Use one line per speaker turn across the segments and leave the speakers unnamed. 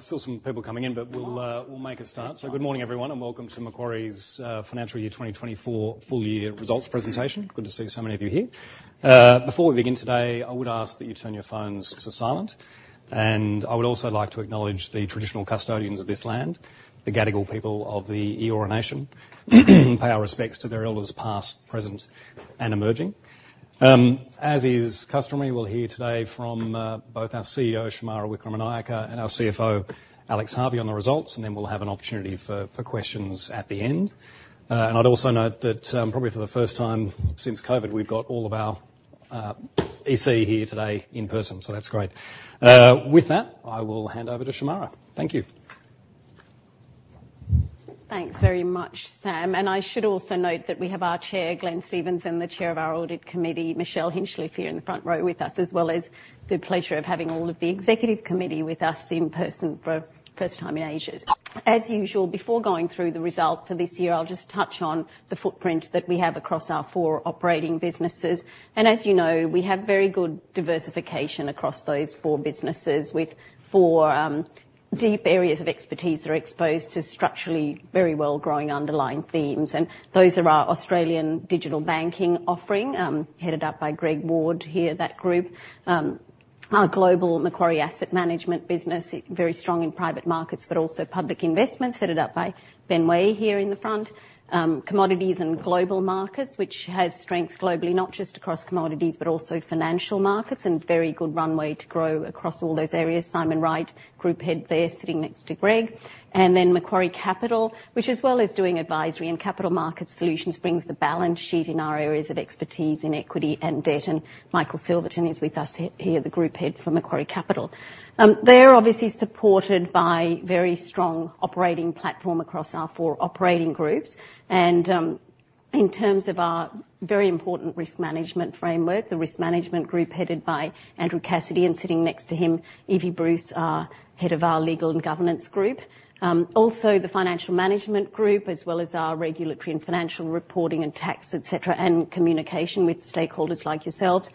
I've still some people coming in, but we'll make a start. So good morning, everyone, and welcome to Macquarie's Financial Year 2024 Full Year Results Presentation. Good to see so many of you here. Before we begin today, I would ask that you turn your phones to silent. And I would also like to acknowledge the traditional custodians of this land, the Gadigal people of the Eora Nation, and pay our respects to their elders past, present, and emerging. As is customary, we'll hear today from both our CEO, Shemara Wikramanayake, and our CFO, Alex Harvey, on the results, and then we'll have an opportunity for questions at the end. And I'd also note that probably for the first time since COVID, we've got all of our EC here today in person, so that's great. With that, I will hand over to Shemara. Thank you.
Thanks very much, Sam. And I should also note that we have our Chair, Glenn Stevens, and the Chair of our Audit Committee, Michelle Hinchliffe, here in the front row with us, as well as the pleasure of having all of the executive committee with us in person for the first time in ages. As usual, before going through the result for this year, I'll just touch on the footprint that we have across our four operating businesses. As you know, we have very good diversification across those four businesses, with four deep areas of expertise that are exposed to structurally very well-growing underlying themes. Those are our Australian digital banking offering, headed up by Greg Ward here, that group. Our global Macquarie Asset Management business, very strong in Private Markets but also Public Investments, headed up by Ben Way, here in the front. Commodities and Global Markets, which has strength globally, not just across Commodities but also Financial Markets, and very good runway to grow across all those areas. Simon Wright, Group Head there, sitting next to Greg. Then Macquarie Capital, which, as well as doing advisory and capital markets solutions, brings the balance sheet in our areas of expertise in equity and debt. Michael Silverton is with us here, the Group Head for Macquarie Capital. They're obviously supported by a very strong operating platform across our four operating groups. And in terms of our very important risk management framework, the Risk Management Group headed by Andrew Cassidy, and sitting next to him, Evie Bruce, are head of our Legal and Governance Group. Also, the Financial Management Group, as well as our regulatory and financial reporting and tax, etc., and communication with stakeholders like yourselves,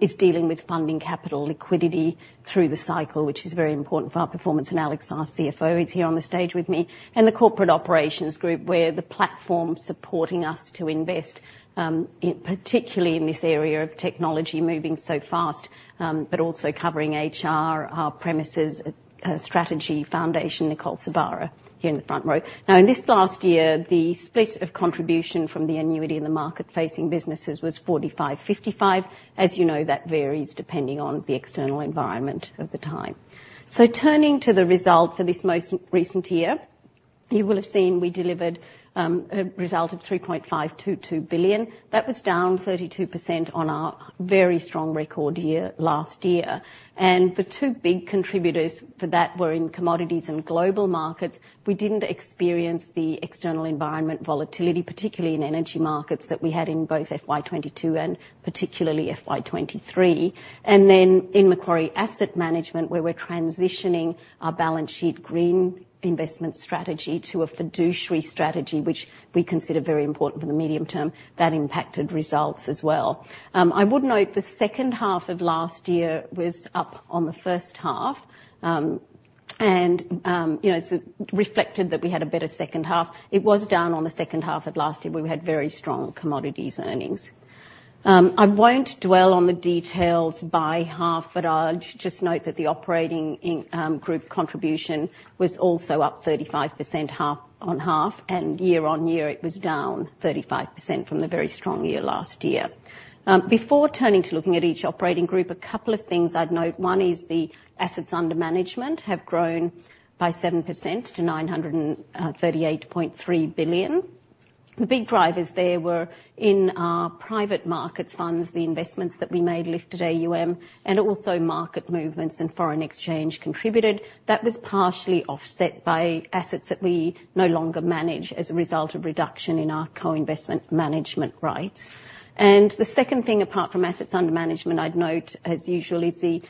is dealing with funding capital liquidity through the cycle, which is very important for our performance. And Alex, our CFO, is here on the stage with me. And the Corporate Operations Group, where the platform's supporting us to invest, particularly in this area of technology moving so fast, but also covering HR, our premises, Strategy, Foundation, Nicole Sorbara, here in the front row. Now, in this last year, the split of contribution from the annuity and the market-facing businesses was 45/55. As you know, that varies depending on the external environment of the time. So turning to the result for this most recent year, you will have seen we delivered a result of 3.522 billion. That was down 32% on our very strong record year last year. And the two big contributors for that were in commodities and global markets. We didn't experience the external environment volatility, particularly in energy markets, that we had in both FY22 and particularly FY23. And then in Macquarie Asset Management, where we're transitioning our balance sheet green investment strategy to a fiduciary strategy, which we consider very important for the medium term, that impacted results as well. I would note the second half of last year was up on the first half, and it reflected that we had a better second half. It was down on the second half of last year where we had very strong commodities earnings. I won't dwell on the details by half, but I'll just note that the operating group contribution was also up 35% on half, and year-on-year it was down 35% from the very strong year last year. Before turning to looking at each operating group, a couple of things I'd note. One is the assets under management have grown by 7% to 938.3 billion. The big drivers there were in our Private Markets funds, the investments that we made, lifted AUM, and also market movements and foreign exchange contributed. That was partially offset by assets that we no longer manage as a result of reduction in our co-investment management rights. The second thing, apart from assets under management, I'd note, as usual, is the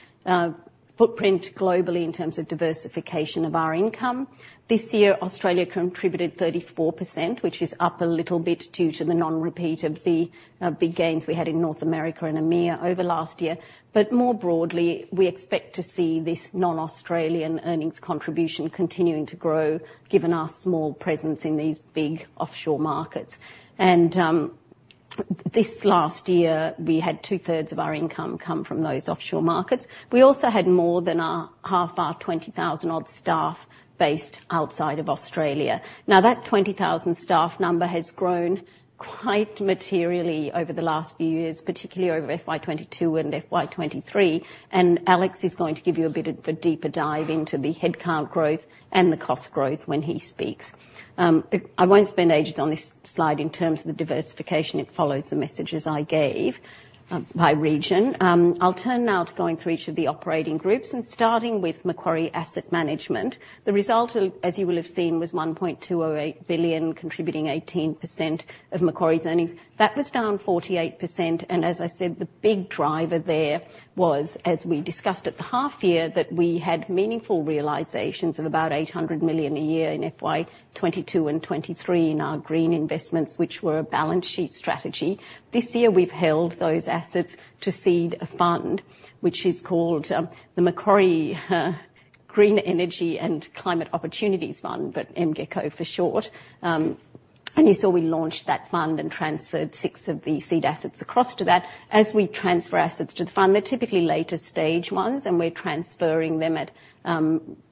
footprint globally in terms of diversification of our income. This year, Australia contributed 34%, which is up a little bit due to the non-repeat of the big gains we had in North America and EMEA over last year. But more broadly, we expect to see this non-Australian earnings contribution continuing to grow, given our small presence in these big offshore markets. And this last year, we had two-thirds of our income come from those offshore markets. We also had more than half our 20,000-odd staff based outside of Australia. Now, that 20,000 staff number has grown quite materially over the last few years, particularly over FY2022 and FY2023, and Alex is going to give you a bit of a deeper dive into the headcount growth and the cost growth when he speaks. I won't spend ages on this slide in terms of the diversification. It follows the messages I gave by region. I'll turn now to going through each of the operating groups, and starting with Macquarie Asset Management. The result, as you will have seen, was 1.208 billion, contributing 18% of Macquarie's earnings. That was down 48%, and as I said, the big driver there was, as we discussed at the half-year, that we had meaningful realisations of about 800 million a year in FY22 and 2023 in our green investments, which were a balance sheet strategy. This year, we've held those assets to seed a fund, which is called the Macquarie Green Energy and Climate Opportunities Fund, but MGECO for short. You saw we launched that fund and transferred six of the seed assets across to that. As we transfer assets to the fund, they're typically later stage ones, and we're transferring them at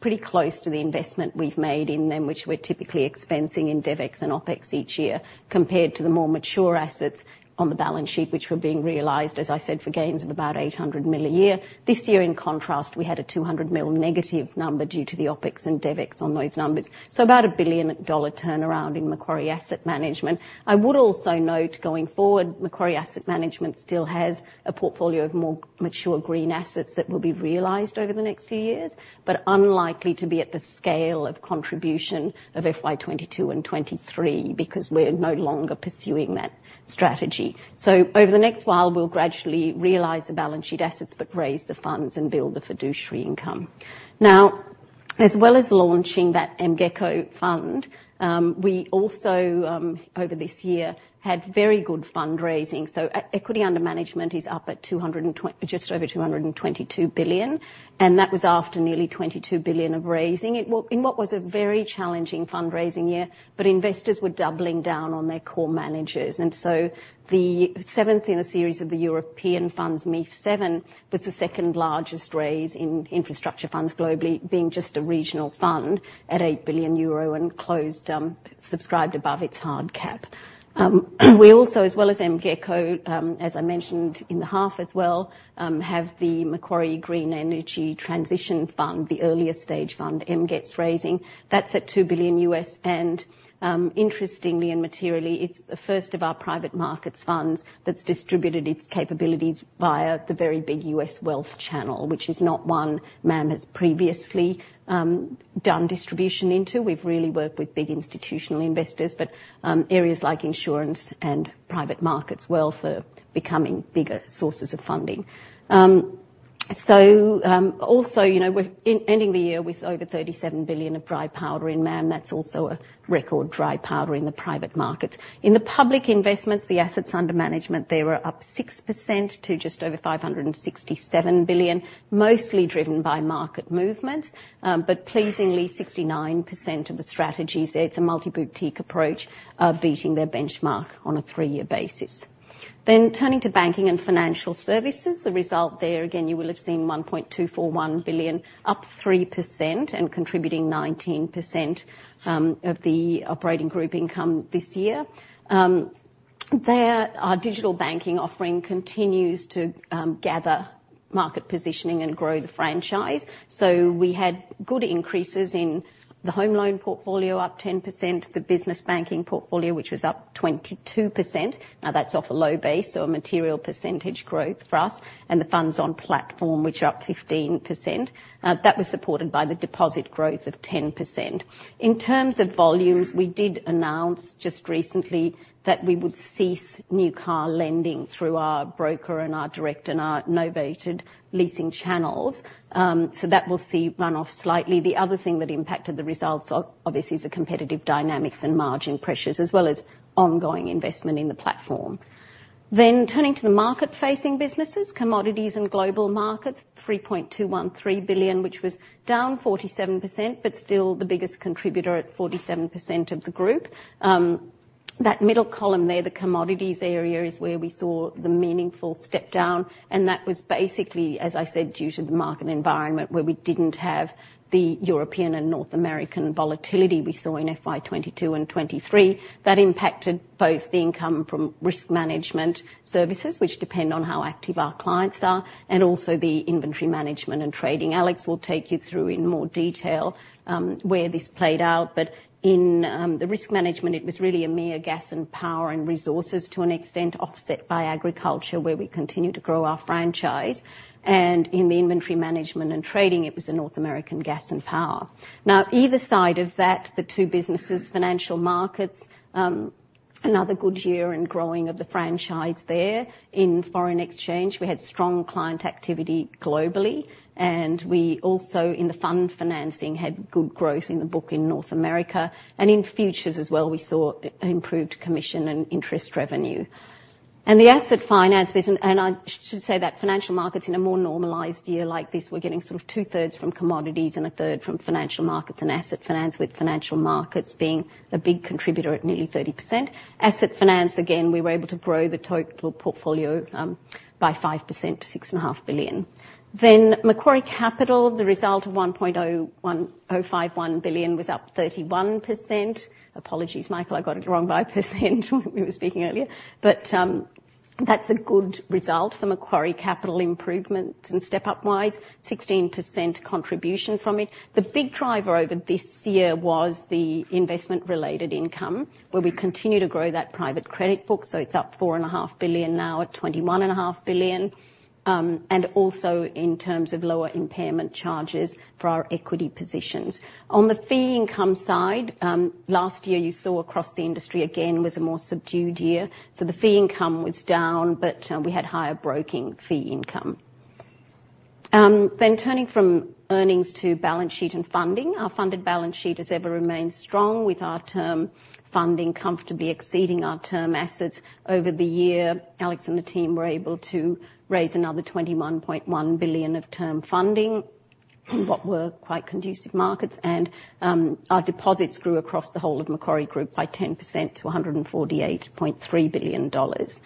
pretty close to the investment we've made in them, which we're typically expensing in DEVEX and OPEX each year, compared to the more mature assets on the balance sheet, which were being realized, as I said, for gains of about 800 million a year. This year, in contrast, we had a 200 million negative number due to the OPEX and DEVEX on those numbers, so about an 1 billion dollar turnaround in Macquarie Asset Management. I would also note, going forward, Macquarie Asset Management still has a portfolio of more mature green assets that will be realized over the next few years, but unlikely to be at the scale of contribution of FY 2022 and 2023 because we're no longer pursuing that strategy. So over the next while, we'll gradually realize the balance sheet assets but raise the funds and build the fiduciary income. Now, as well as launching that MGECO fund, we also, over this year, had very good fundraising. So equity under management is up at just over 222 billion, and that was after nearly 22 billion of raising. It was a very challenging fundraising year, but investors were doubling down on their core managers. And so the seventh in the series of the European funds, MEIF7, was the second-largest raise in infrastructure funds globally, being just a regional fund at 8 billion euro and subscribed above its hard cap. We also, as well as MGECO, as I mentioned in the half as well, have the Macquarie Green Energy Transition Fund, the earlier stage fund, MGETS raising. That's at $2 billion, and interestingly and materially, it's the first of our Private Markets funds that's distributed its capabilities via the very big U.S. wealth channel, which is not one MAM has previously done distribution into. We've really worked with big institutional investors, but areas like insurance and Private Markets wealth are becoming bigger sources of funding. So also, we're ending the year with over $37 billion of dry powder in MAM. That's also a record dry powder in the Private Markets. In the Public Investments, the assets under management, they were up 6% to just over $567 billion, mostly driven by market movements, but pleasingly, 69% of the strategies. It's a multi-boutique approach, beating their benchmark on a three-year basis. Then turning to Banking and Financial Services, the result there, again, you will have seen 1.241 billion, up 3% and contributing 19% of the operating group income this year. There, our digital banking offering continues to gather market positioning and grow the franchise. So we had good increases in the home loan portfolio, up 10%, the business banking portfolio, which was up 22%. Now, that's off a low base, so a material percentage growth for us, and the funds on platform, which are up 15%. That was supported by the deposit growth of 10%. In terms of volumes, we did announce just recently that we would cease new car lending through our broker and our direct and our novated leasing channels, so that will see runoff slightly. The other thing that impacted the results, obviously, is the competitive dynamics and margin pressures, as well as ongoing investment in the platform. Then turning to the market-facing businesses, Commodities and Global Markets, 3.213 billion, which was down 47% but still the biggest contributor at 47% of the group. That middle column there, the commodities area, is where we saw the meaningful step down, and that was basically, as I said, due to the market environment where we didn't have the European and North American volatility we saw in FY 2022 and 2023. That impacted both the income from risk management services, which depend on how active our clients are, and also the inventory management and trading. Alex will take you through in more detail where this played out, but in the risk management, it was really metals, gas and power and resources, to an extent, offset by agriculture where we continue to grow our franchise. And in the inventory management and trading, it was North American gas and power. Now, either side of that, the two businesses, Financial Markets, another good year and growing of the franchise there. In foreign exchange, we had strong client activity globally, and we also, in the fund financing, had good growth in the book in North America. And in futures as well, we saw improved commission and interest revenue. And the Asset Finance business, and I should say that Financial Markets in a more normalized year like this, we're getting sort of two-thirds from commodities and a third from Financial Markets and Asset Finance, with Financial Markets being a big contributor at nearly 30%. Asset Finance, again, we were able to grow the total portfolio by 5% to 6.5 billion. Then Macquarie Capital, the result of 1.051 billion, was up 31%. Apologies, Michael, I got it wrong by percent when we were speaking earlier, but that's a good result for Macquarie Capital improvements and step-up-wise, 16% contribution from it. The big driver over this year was the investment-related income, where we continue to grow that private credit book, so it's up 4.5 billion now at 21.5 billion, and also in terms of lower impairment charges for our equity positions. On the fee income side, last year you saw across the industry, again, was a more subdued year, so the fee income was down, but we had higher broking fee income. Then turning from earnings to balance sheet and funding, our funded balance sheet has ever remained strong, with our term funding comfortably exceeding our term assets over the year. Alex and the team were able to raise another 21.1 billion of term funding in what were quite conducive markets, and our deposits grew across the whole of Macquarie Group by 10% to 148.3 billion dollars.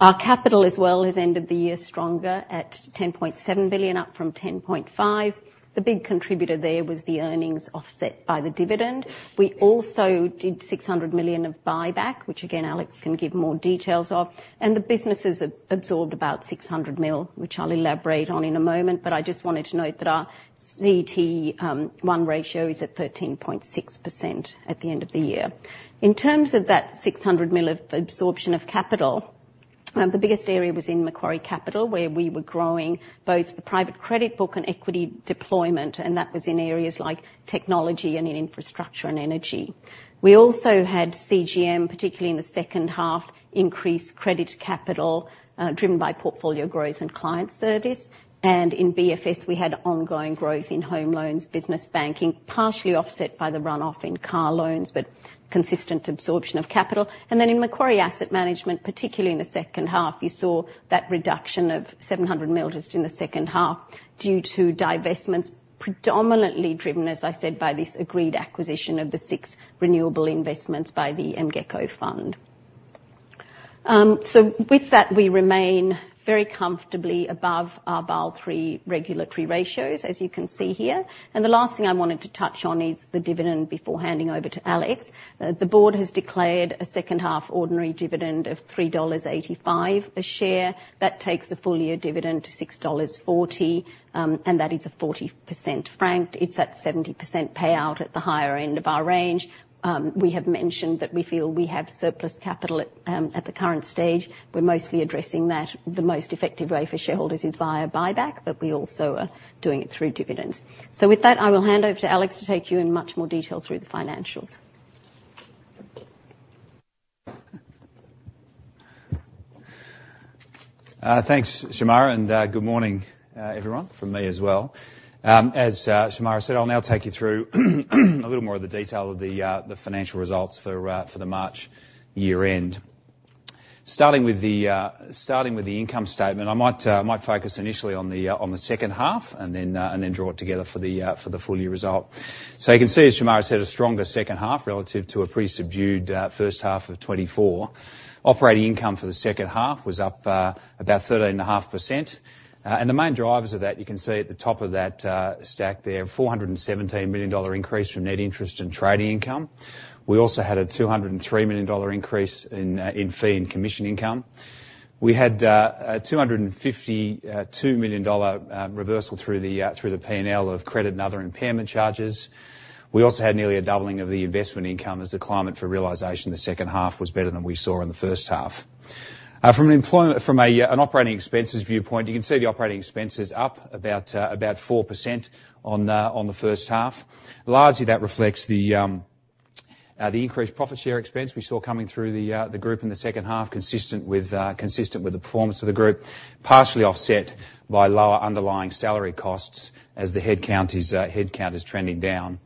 Our capital as well has ended the year stronger at 10.7 billion, up from 10.5 billion. The big contributor there was the earnings, offset by the dividend. We also did 600 million of buyback, which again, Alex can give more details of, and the businesses absorbed about 600 million, which I'll elaborate on in a moment, but I just wanted to note that our CET1 ratio is at 13.6% at the end of the year. In terms of that 600 million of absorption of capital, the biggest area was in Macquarie Capital, where we were growing both the private credit book and equity deployment, and that was in areas like technology and in infrastructure and energy. We also had CGM, particularly in the second half, increase credit capital driven by portfolio growth and client service, and in BFS, we had ongoing growth in home loans, business banking, partially offset by the runoff in car loans but consistent absorption of capital. Then in Macquarie Asset Management, particularly in the second half, you saw that reduction of 700 million just in the second half due to divestments, predominantly driven, as I said, by this agreed acquisition of the six renewable investments by the MGECO fund. With that, we remain very comfortably above our Basel III regulatory ratios, as you can see here. The last thing I wanted to touch on is the dividend before handing over to Alex. The Board has declared a second-half ordinary dividend of 3.85 dollars a share. That takes the full-year dividend to 6.40, and that is a 40% frank. It's at 70% payout at the higher end of our range. We have mentioned that we feel we have surplus capital at the current stage. We're mostly addressing that. The most effective way for shareholders is via buyback, but we also are doing it through dividends. So with that, I will hand over to Alex to take you in much more detail through the financials.
Thanks, Shemara, and good morning, everyone, from me as well. As Shemara said, I'll now take you through a little more of the detail of the financial results for the March year-end. Starting with the income statement, I might focus initially on the second half and then draw it together for the full-year result. So you can see, as Shemara said, a stronger second half relative to a pretty subdued first half of 2024. Operating income for the second half was up about 13.5%, and the main drivers of that, you can see at the top of that stack there, an 417 million dollar increase from net interest and trading income. We also had an 203 million dollar increase in fee and commission income. We had an 252 million dollar reversal through the P&L of credit and other impairment charges. We also had nearly a doubling of the investment income as the climate for realization the second half was better than we saw in the first half. From an operating expenses viewpoint, you can see the operating expenses up about 4% on the first half. Largely, that reflects the increased profit share expense we saw coming through the group in the second half, consistent with the performance of the group, partially offset by lower underlying salary costs as the headcount is trending down.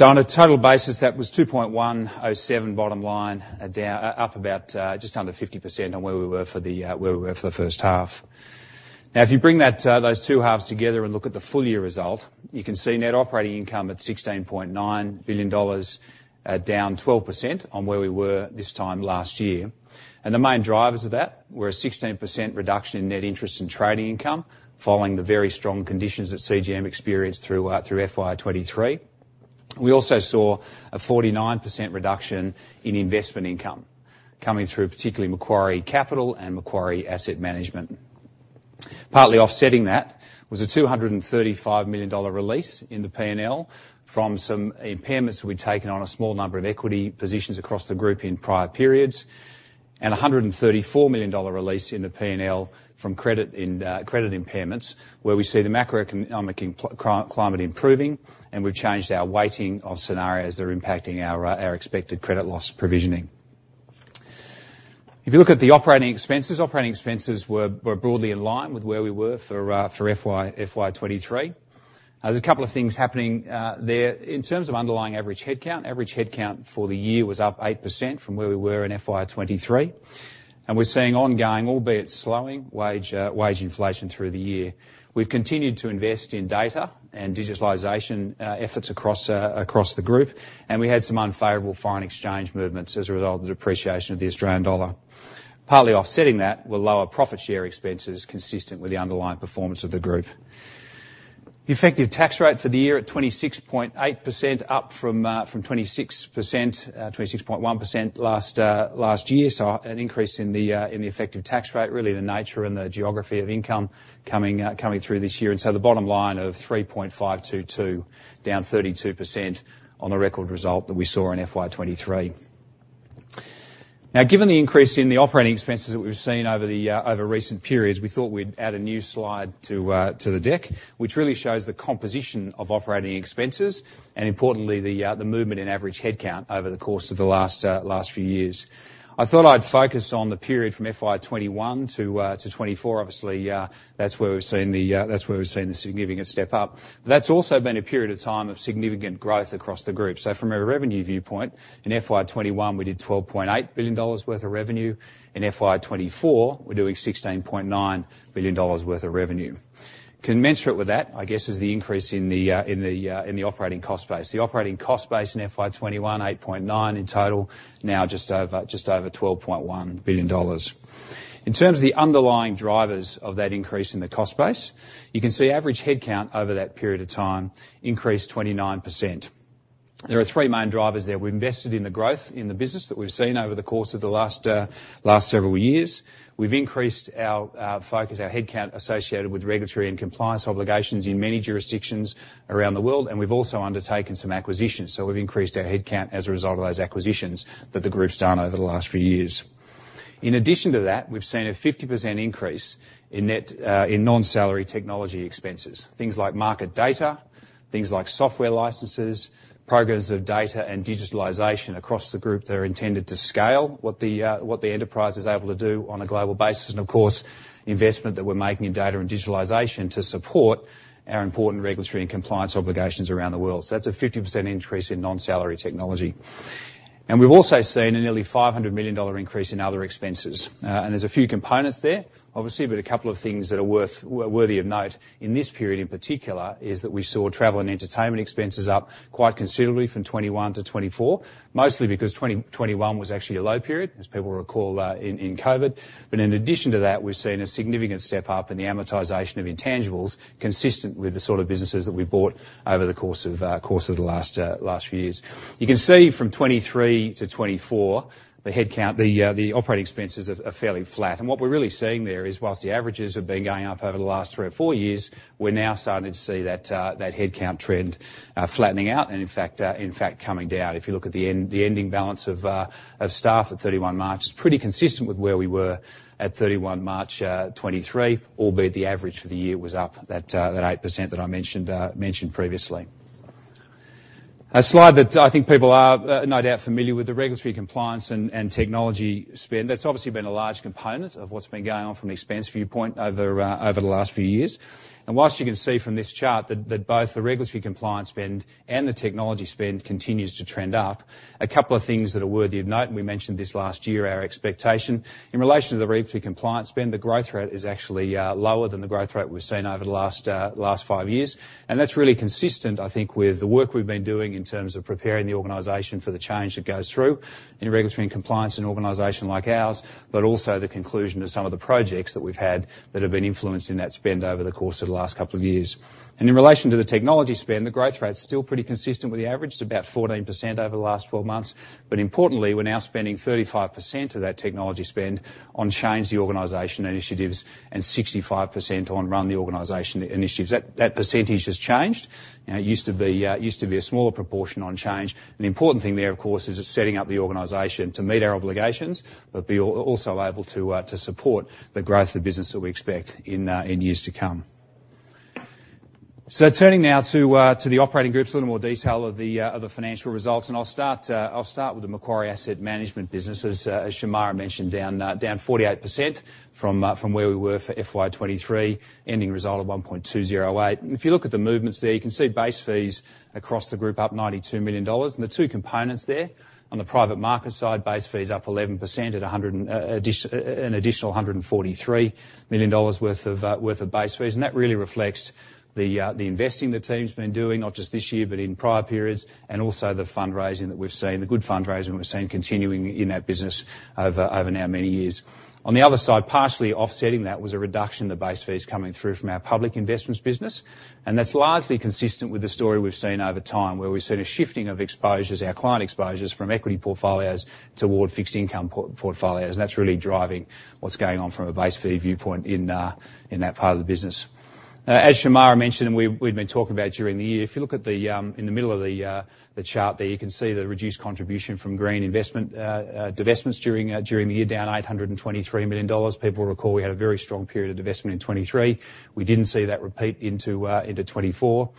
On a total basis, that was 2.107 bottom line, up just under 50% on where we were for the first half. Now, if you bring those two halves together and look at the full-year result, you can see net operating income at 16.9 billion dollars, down 12% on where we were this time last year. The main drivers of that were a 16% reduction in net interest and trading income following the very strong conditions that CGM experienced through FY23. We also saw a 49% reduction in investment income coming through particularly Macquarie Capital and Macquarie Asset Management. Partly offsetting that was a 235 million dollar release in the P&L from some impairments that we'd taken on a small number of equity positions across the group in prior periods, and a 134 million dollar release in the P&L from credit impairments, where we see the macroeconomic climate improving, and we've changed our weighting of scenarios that are impacting our expected credit loss provisioning. If you look at the operating expenses, operating expenses were broadly in line with where we were for FY23. There's a couple of things happening there. In terms of underlying average headcount, average headcount for the year was up 8% from where we were in FY23, and we're seeing ongoing, albeit slowing, wage inflation through the year. We've continued to invest in data and digitalization efforts across the group, and we had some unfavorable foreign exchange movements as a result of the depreciation of the Australian dollar. Partly offsetting that were lower profit share expenses consistent with the underlying performance of the group. The effective tax rate for the year at 26.8%, up from 26.1% last year, so an increase in the effective tax rate. Really, the nature and the geography of income coming through this year. And so the bottom line of 3.522 billion, down 32% on the record result that we saw in FY23. Now, given the increase in the operating expenses that we've seen over recent periods, we thought we'd add a new slide to the deck, which really shows the composition of operating expenses and, importantly, the movement in average headcount over the course of the last few years. I thought I'd focus on the period from FY21 to 2024. Obviously, that's where we've seen the significant step up. That's also been a period of time of significant growth across the group. So from a revenue viewpoint, in FY21, we did AUD 12.8 billion worth of revenue. In FY24, we're doing AUD 16.9 billion worth of revenue. Commensurate with that, I guess, is the increase in the operating cost base. The operating cost base in FY21, 8.9 billion in total, now just over 12.1 billion dollars. In terms of the underlying drivers of that increase in the cost base, you can see average headcount over that period of time increased 29%. There are three main drivers there. We've invested in the growth in the business that we've seen over the course of the last several years. We've increased our focus, our headcount associated with regulatory and compliance obligations in many jurisdictions around the world, and we've also undertaken some acquisitions. So we've increased our headcount as a result of those acquisitions that the group's done over the last few years. In addition to that, we've seen a 50% increase in non-salary technology expenses, things like market data, things like software licenses, programs of data and digitalization across the group that are intended to scale what the enterprise is able to do on a global basis, and, of course, investment that we're making in data and digitalization to support our important regulatory and compliance obligations around the world. So that's a 50% increase in non-salary technology. And we've also seen a nearly 500 million dollar increase in other expenses. And there's a few components there, obviously, but a couple of things that are worthy of note in this period in particular is that we saw travel and entertainment expenses up quite considerably from 2021 to 2024, mostly because 2021 was actually a low period, as people recall, in COVID. But in addition to that, we've seen a significant step up in the amortization of intangibles consistent with the sort of businesses that we bought over the course of the last few years. You can see from 2023 to 2024, the operating expenses are fairly flat, and what we're really seeing there is, while the averages have been going up over the last three or four years, we're now starting to see that headcount trend flattening out and, in fact, coming down. If you look at the ending balance of staff at 31 March, it's pretty consistent with where we were at 31 March 2023, albeit the average for the year was up that 8% that I mentioned previously. A slide that I think people are, no doubt, familiar with, the regulatory compliance and technology spend. That's obviously been a large component of what's been going on from an expense viewpoint over the last few years. While you can see from this chart that both the regulatory compliance spend and the technology spend continues to trend up, a couple of things that are worthy of note, and we mentioned this last year, our expectation. In relation to the regulatory compliance spend, the growth rate is actually lower than the growth rate we've seen over the last five years, and that's really consistent, I think, with the work we've been doing in terms of preparing the organization for the change that goes through in regulatory and compliance in an organization like ours, but also the conclusion of some of the projects that we've had that have been influencing that spend over the course of the last couple of years. In relation to the technology spend, the growth rate's still pretty consistent with the average. It's about 14% over the last 12 months, but importantly, we're now spending 35% of that technology spend on change the organization initiatives and 65% on run the organization initiatives. That percentage has changed. It used to be a smaller proportion on change. An important thing there, of course, is it's setting up the organization to meet our obligations, but be also able to support the growth of the business that we expect in years to come. Turning now to the operating groups, a little more detail of the financial results, and I'll start with the Macquarie Asset Management businesses, as Shemara mentioned, down 48% from where we were for FY23, ending result of 1.208. If you look at the movements there, you can see base fees across the group up 92 million dollars, and the two components there. On the private market side, base fees up 11% at an additional 143 million dollars worth of base fees, and that really reflects the investing the team's been doing, not just this year but in prior periods, and also the fundraising that we've seen, the good fundraising we've seen continuing in that business over now many years. On the other side, partially offsetting that was a reduction in the base fees coming through from our Public Investments business, and that's largely consistent with the story we've seen over time, where we've seen a shifting of exposures, our client exposures, from equity portfolios toward fixed income portfolios, and that's really driving what's going on from a base fee viewpoint in that part of the business. As Shemara mentioned, and we've been talking about during the year, if you look at in the middle of the chart there, you can see the reduced contribution from green investments during the year, down 823 million dollars. People recall we had a very strong period of investment in 2023. We didn't see that repeat into 2024.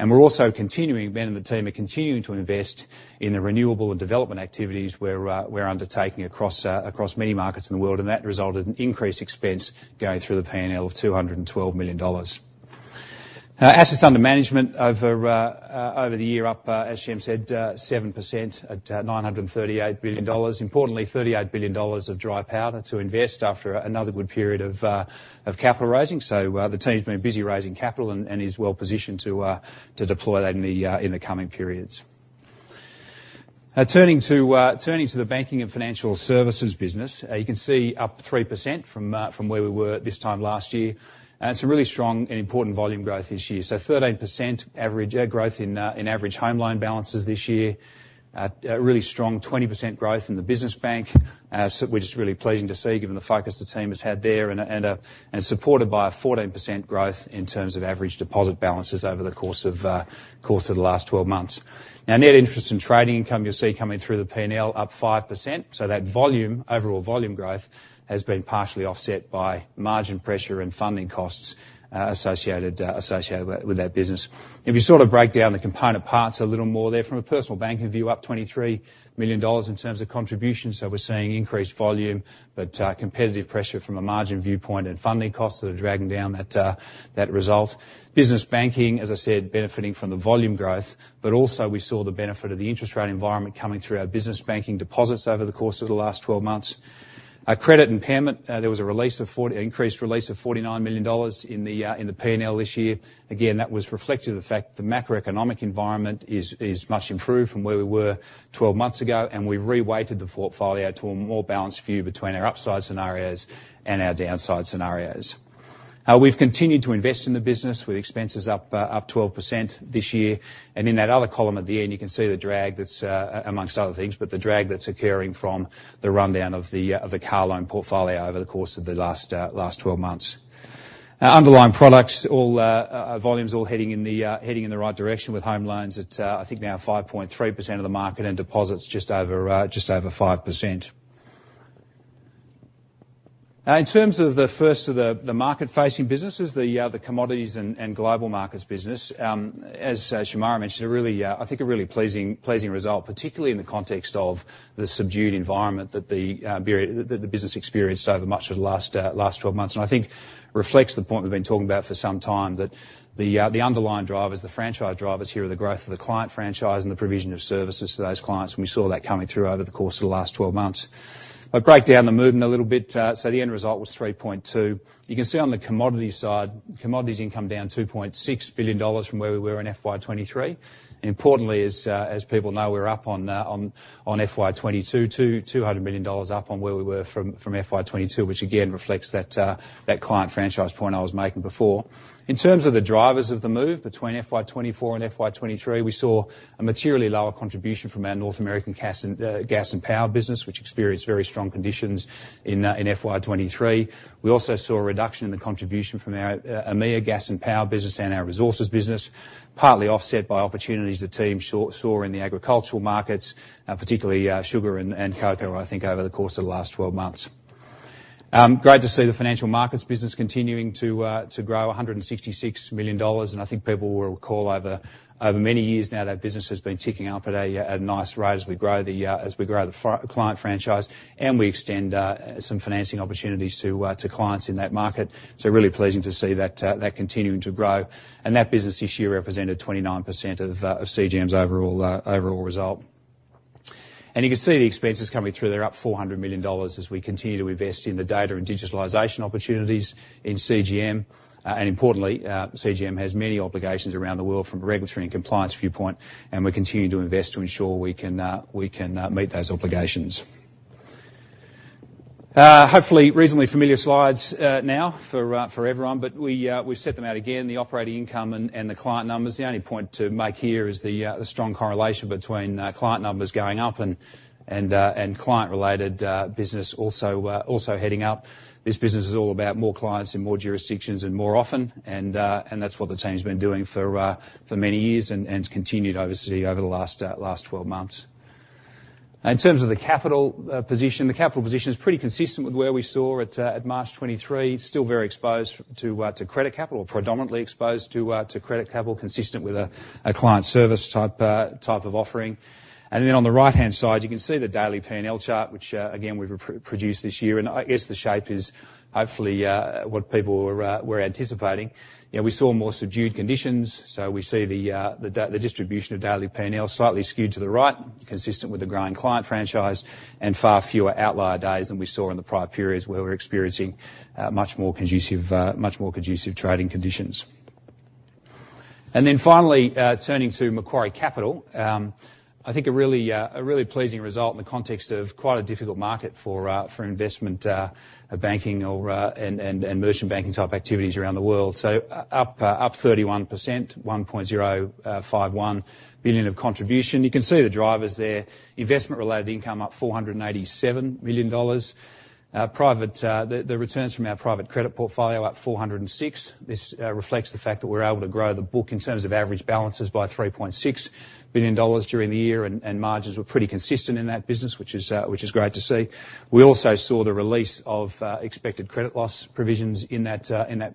And we're also continuing, Ben and the team are continuing to invest in the renewable and development activities we're undertaking across many markets in the world, and that resulted in increased expense going through the P&L of 212 million dollars. Assets under management over the year up, as Shem said, 7% at 938 billion dollars. Importantly, 38 billion dollars of dry powder to invest after another good period of capital raising, so the team's been busy raising capital and is well-positioned to deploy that in the coming periods. Turning to the Banking and Financial Services business, you can see up 3% from where we were this time last year, and some really strong and important volume growth this year. So 13% growth in average home loan balances this year, really strong 20% growth in the business bank, which is really pleasing to see given the focus the team has had there, and supported by a 14% growth in terms of average deposit balances over the course of the last 12 months. Now, net interest and trading income you'll see coming through the P&L up 5%, so that overall volume growth has been partially offset by margin pressure and funding costs associated with that business. If you sort of break down the component parts a little more there, from a personal banking view, up 23 million dollars in terms of contribution, so we're seeing increased volume, but competitive pressure from a margin viewpoint and funding costs that are dragging down that result. Business banking, as I said, benefiting from the volume growth, but also we saw the benefit of the interest rate environment coming through our business banking deposits over the course of the last 12 months. Credit impairment, there was an increased release of AUD 49 million in the P&L this year. Again, that was reflective of the fact that the macroeconomic environment is much improved from where we were 12 months ago, and we reweighted the portfolio to a more balanced view between our upside scenarios and our downside scenarios. We've continued to invest in the business with expenses up 12% this year, and in that other column at the end, you can see the drag that's, among other things, but the drag that's occurring from the rundown of the car loan portfolio over the course of the last 12 months. Underlying products, volumes all heading in the right direction with home loans at, I think, now 5.3% of the market and deposits just over 5%. In terms of the first of the market-facing businesses, the Commodities and Global Markets business, as Shemara mentioned, I think a really pleasing result, particularly in the context of the subdued environment that the business experienced over much of the last 12 months, and I think reflects the point we've been talking about for some time, that the underlying drivers, the franchise drivers here are the growth of the client franchise and the provision of services to those clients, and we saw that coming through over the course of the last 12 months. If I break down the movement a little bit, so the end result was 3.2. You can see on the Commodities side, Commodities income down 2.6 billion dollars from where we were in FY23. Importantly, as people know, we're up on FY22, 200 million dollars up on where we were from FY22, which, again, reflects that client franchise point I was making before. In terms of the drivers of the move between FY24 and FY23, we saw a materially lower contribution from our North American gas and power business, which experienced very strong conditions in FY23. We also saw a reduction in the contribution from our EMEA gas and power business and our resources business, partly offset by opportunities the team saw in the agricultural markets, particularly sugar and cocoa, I think, over the course of the last 12 months. Great to see the Financial Markets business continuing to grow 166 million dollars, and I think people will recall, over many years now, that business has been ticking up at a nice rate as we grow the client franchise and we extend some financing opportunities to clients in that market. So really pleasing to see that continuing to grow, and that business this year represented 29% of CGM's overall result. And you can see the expenses coming through there, up 400 million dollars as we continue to invest in the data and digitalization opportunities in CGM. And importantly, CGM has many obligations around the world from a regulatory and compliance viewpoint, and we continue to invest to ensure we can meet those obligations. Hopefully, reasonably familiar slides now for everyone, but we've set them out again. The operating income and the client numbers, the only point to make here is the strong correlation between client numbers going up and client-related business also heading up. This business is all about more clients in more jurisdictions and more often, and that's what the team's been doing for many years and has continued, obviously, over the last 12 months. In terms of the capital position, the capital position is pretty consistent with where we saw it at March 2023, still very exposed to credit capital or predominantly exposed to credit capital, consistent with a client service type of offering. Then on the right-hand side, you can see the daily P&L chart, which, again, we've produced this year, and I guess the shape is, hopefully, what people were anticipating. We saw more subdued conditions, so we see the distribution of daily P&L slightly skewed to the right, consistent with the growing client franchise and far fewer outlier days than we saw in the prior periods where we were experiencing much more conducive trading conditions. Then finally, turning to Macquarie Capital, I think a really pleasing result in the context of quite a difficult market for investment banking and merchant banking type activities around the world. So up 31%, 1.051 billion of contribution. You can see the drivers there. Investment-related income up 487 million dollars. The returns from our private credit portfolio up 406%. This reflects the fact that we're able to grow the book in terms of average balances by 3.6 billion dollars during the year, and margins were pretty consistent in that business, which is great to see. We also saw the release of expected credit loss provisions in that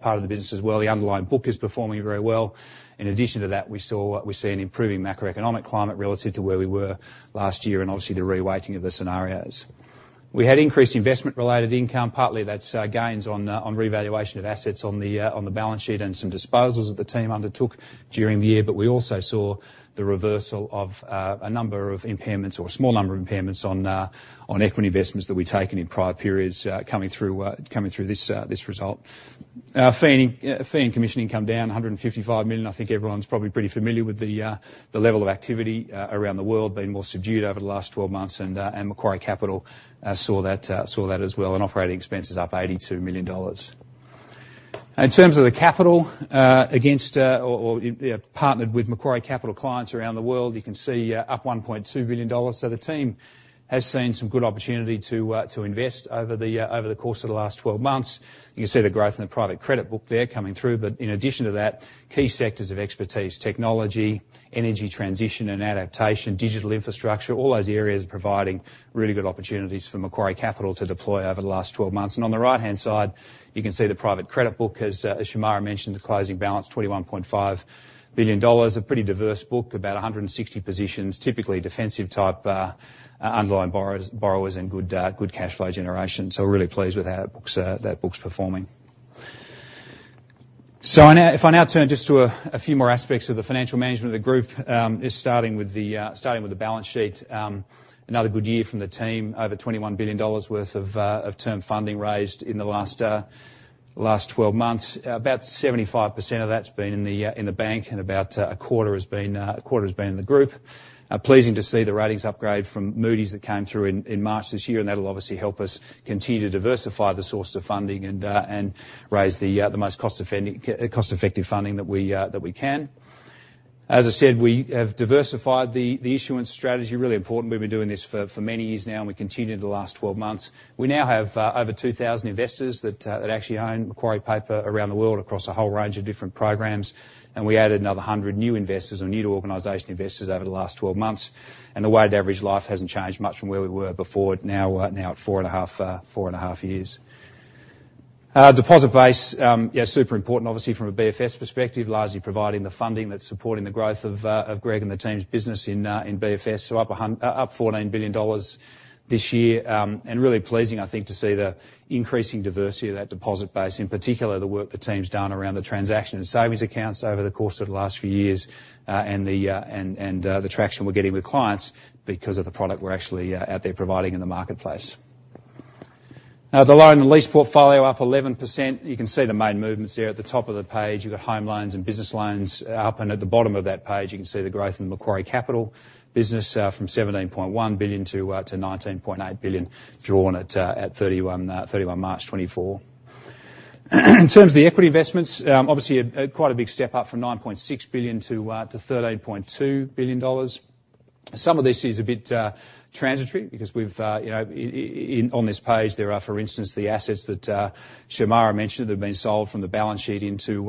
part of the business as well. The underlying book is performing very well. In addition to that, we see an improving macroeconomic climate relative to where we were last year and, obviously, the reweighting of the scenarios. We had increased investment-related income. Partly, that's gains on revaluation of assets on the balance sheet and some disposals that the team undertook during the year, but we also saw the reversal of a number of impairments or a small number of impairments on equity investments that we'd taken in prior periods coming through this result. Fee and commission income down 155 million. I think everyone's probably pretty familiar with the level of activity around the world being more subdued over the last 12 months, and Macquarie Capital saw that as well, and operating expenses up 82 million dollars. In terms of the capital, partnered with Macquarie Capital clients around the world, you can see up 1.2 billion dollars. So the team has seen some good opportunity to invest over the course of the last 12 months. You can see the growth in the private credit book there coming through, but in addition to that, key sectors of expertise, technology, energy transition and adaptation, digital infrastructure, all those areas are providing really good opportunities for Macquarie Capital to deploy over the last 12 months. And on the right-hand side, you can see the private credit book, as Shemara mentioned, the closing balance, 21.5 billion dollars, a pretty diverse book, about 160 positions, typically defensive type underlying borrowers and good cash flow generation, so really pleased with that book's performing. So if I now turn just to a few more aspects of the financial management of the group, just starting with the balance sheet, another good year from the team, over $21 billion worth of term funding raised in the last 12 months. About 75% of that's been in the bank, and about a quarter has been in the group. Pleasing to see the ratings upgrade from Moody's that came through in March this year, and that'll, obviously, help us continue to diversify the source of funding and raise the most cost-effective funding that we can. As I said, we have diversified the issuance strategy. Really important. We've been doing this for many years now, and we continue in the last 12 months. We now have over 2,000 investors that actually own Macquarie Paper around the world across a whole range of different programs, and we added another 100 new investors or new-to-organization investors over the last 12 months. And the weighted average life hasn't changed much from where we were before. Now, at four and half years. Deposit base, super important, obviously, from a BFS perspective, largely providing the funding that's supporting the growth of Greg and the team's business in BFS, so up 14 billion dollars this year. And really pleasing, I think, to see the increasing diversity of that deposit base, in particular, the work the team's done around the transaction and savings accounts over the course of the last few years and the traction we're getting with clients because of the product we're actually out there providing in the marketplace. The loan and lease portfolio up 11%. You can see the main movements there at the top of the page. You've got home loans and business loans up, and at the bottom of that page, you can see the growth in the Macquarie Capital business from $17.1 billion to $19.8 billion drawn at 31 March 2024. In terms of the equity investments, obviously, quite a big step up from $9.6 billion to $13.2 billion. Some of this is a bit transitory because we've on this page, there are, for instance, the assets that Shemara mentioned that have been sold from the balance sheet into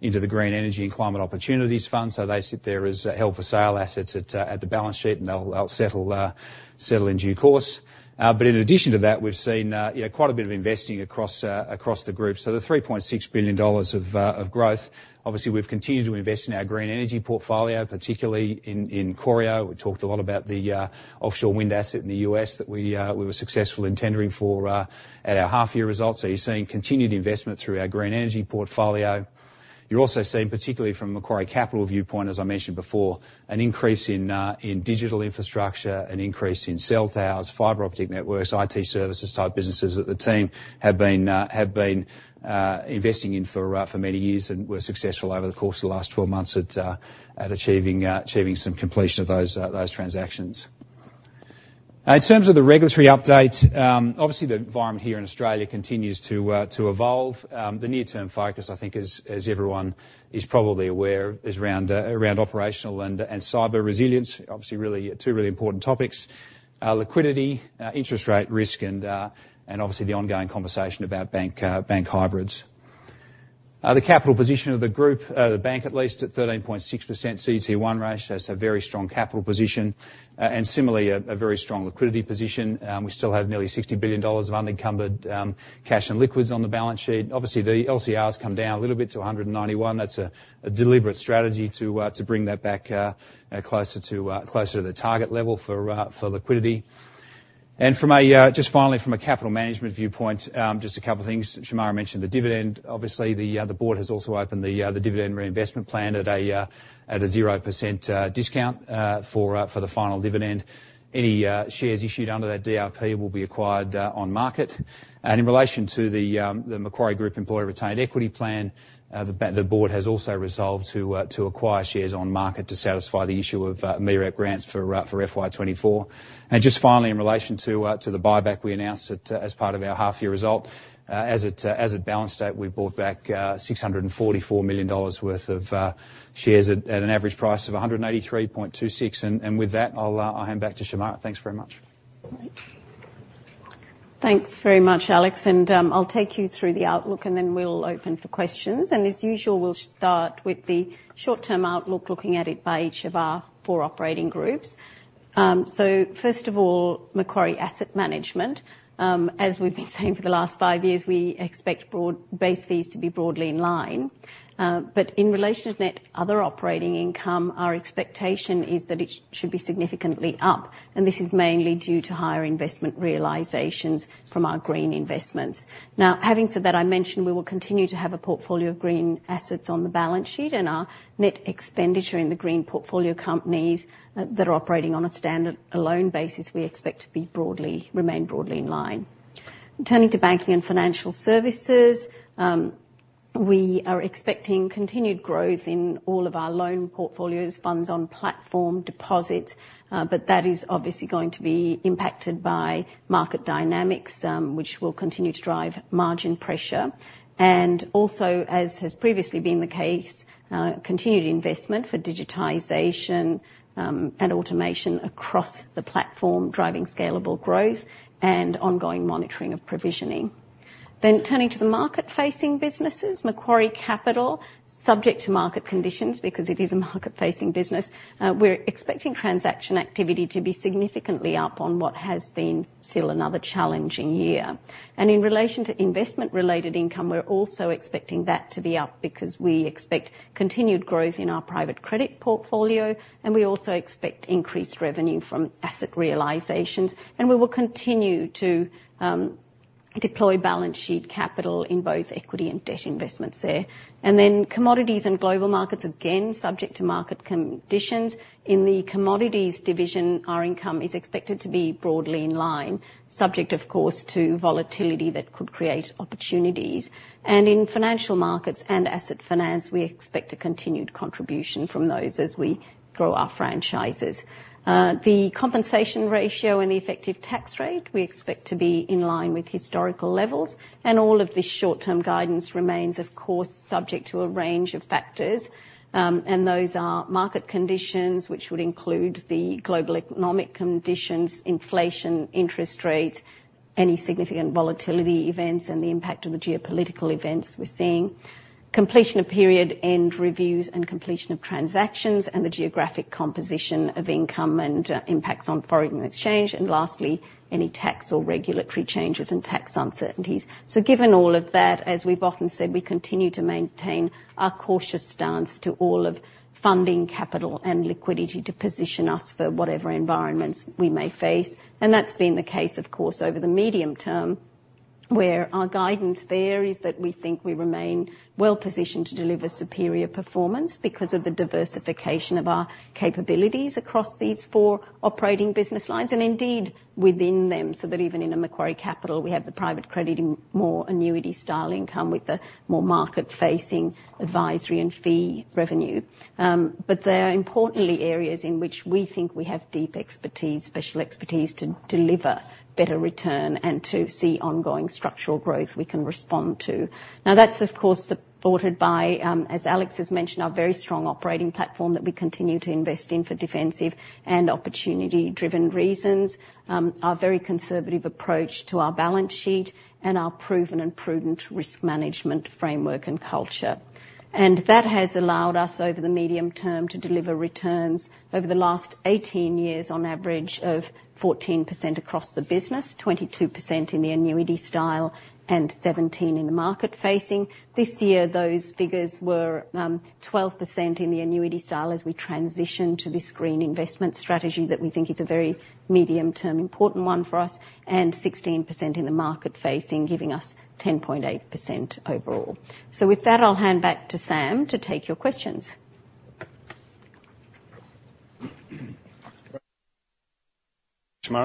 the Green Energy and Climate Opportunities Fund, so they sit there as held-for-sale assets at the balance sheet, and they'll settle in due course. But in addition to that, we've seen quite a bit of investing across the group. So the 3.6 billion dollars of growth, obviously, we've continued to invest in our Green Energy portfolio, particularly in Corio. We talked a lot about the offshore wind asset in the U.S. that we were successful in tendering for at our half-year results. So you're seeing continued investment through our Green Energy portfolio. You're also seeing, particularly from a Macquarie Capital viewpoint, as I mentioned before, an increase in digital infrastructure, an increase in cell towers, fiber optic networks, IT services type businesses that the team have been investing in for many years and were successful over the course of the last 12 months at achieving some completion of those transactions. In terms of the regulatory update, obviously, the environment here in Australia continues to evolve. The near-term focus, I think, as everyone is probably aware, is around operational and cyber resilience, obviously, two really important topics, liquidity, interest rate risk, and, obviously, the ongoing conversation about bank hybrids. The capital position of the group, the bank at least, at 13.6% CET1 ratio, so a very strong capital position and, similarly, a very strong liquidity position. We still have nearly $60 billion of unencumbered cash and liquids on the balance sheet. Obviously, the LCRs come down a little bit to 191%. That's a deliberate strategy to bring that back closer to the target level for liquidity. And just finally, from a capital management viewpoint, just a couple of things. Shemara mentioned the dividend. Obviously, the board has also opened the Dividend Reinvestment Plan at a 0% discount for the final dividend. Any shares issued under that DRP will be acquired on market. In relation to the Macquarie Group Employer Retained Equity Plan, the board has also resolved to acquire shares on market to satisfy the issue of MEREP grants for FY2024. Just finally, in relation to the buyback we announced as part of our half-year result, as it balanced out, we bought back 644 million dollars worth of shares at an average price of 183.26. With that, I'll hand back to Shemara.
Thanks very much. Thanks very much, Alex. I'll take you through the outlook, and then we'll open for questions. As usual, we'll start with the short-term outlook, looking at it by each of our four operating groups. First of all, Macquarie Asset Management. As we've been saying for the last five years, we expect base fees to be broadly in line. But in relation to net other operating income, our expectation is that it should be significantly up, and this is mainly due to higher investment realizations from our green investments. Now, having said that, I mentioned we will continue to have a portfolio of green assets on the balance sheet, and our net expenditure in the green portfolio companies that are operating on a standard loan basis, we expect to remain broadly in line. Turning to Banking and Financial Services, we are expecting continued growth in all of our loan portfolios, funds on platform, deposits, but that is, obviously, going to be impacted by market dynamics, which will continue to drive margin pressure. And also, as has previously been the case, continued investment for digitization and automation across the platform, driving scalable growth and ongoing monitoring of provisioning. Then turning to the market-facing businesses, Macquarie Capital, subject to market conditions because it is a market-facing business, we're expecting transaction activity to be significantly up on what has been still another challenging year. And in relation to investment-related income, we're also expecting that to be up because we expect continued growth in our private credit portfolio, and we also expect increased revenue from asset realizations, and we will continue to deploy balance sheet capital in both equity and debt investments there. And then Commodities and Global Markets, again, subject to market conditions. In the commodities division, our income is expected to be broadly in line, subject, of course, to volatility that could create opportunities. And in Financial Markets and Asset Finance, we expect a continued contribution from those as we grow our franchises. The compensation ratio and the effective tax rate, we expect to be in line with historical levels, and all of this short-term guidance remains, of course, subject to a range of factors, and those are market conditions, which would include the global economic conditions, inflation, interest rates, any significant volatility events, and the impact of the geopolitical events we're seeing, completion of period-end reviews and completion of transactions, and the geographic composition of income and impacts on foreign exchange, and lastly, any tax or regulatory changes and tax uncertainties. So given all of that, as we've often said, we continue to maintain our cautious stance to all of funding, capital, and liquidity to position us for whatever environments we may face, and that's been the case, of course, over the medium term, where our guidance there is that we think we remain well-positioned to deliver superior performance because of the diversification of our capabilities across these four operating business lines and, indeed, within them, so that even in a Macquarie Capital, we have the private credit and more annuity-style income with the more market-facing advisory and fee revenue. But they're importantly areas in which we think we have deep expertise, special expertise, to deliver better return and to see ongoing structural growth we can respond to. Now, that's, of course, supported by, as Alex has mentioned, our very strong operating platform that we continue to invest in for defensive and opportunity-driven reasons, our very conservative approach to our balance sheet, and our proven and prudent risk management framework and culture. And that has allowed us, over the medium term, to deliver returns, over the last 18 years, on average, of 14% across the business, 22% in the annuity-style and 17% in the market-facing. This year, those figures were 12% in the annuity-style as we transitioned to this green investment strategy that we think is a very medium-term important one for us, and 16% in the market-facing, giving us 10.8% overall. So with that, I'll hand back to Sam to take your questions.
Shemara,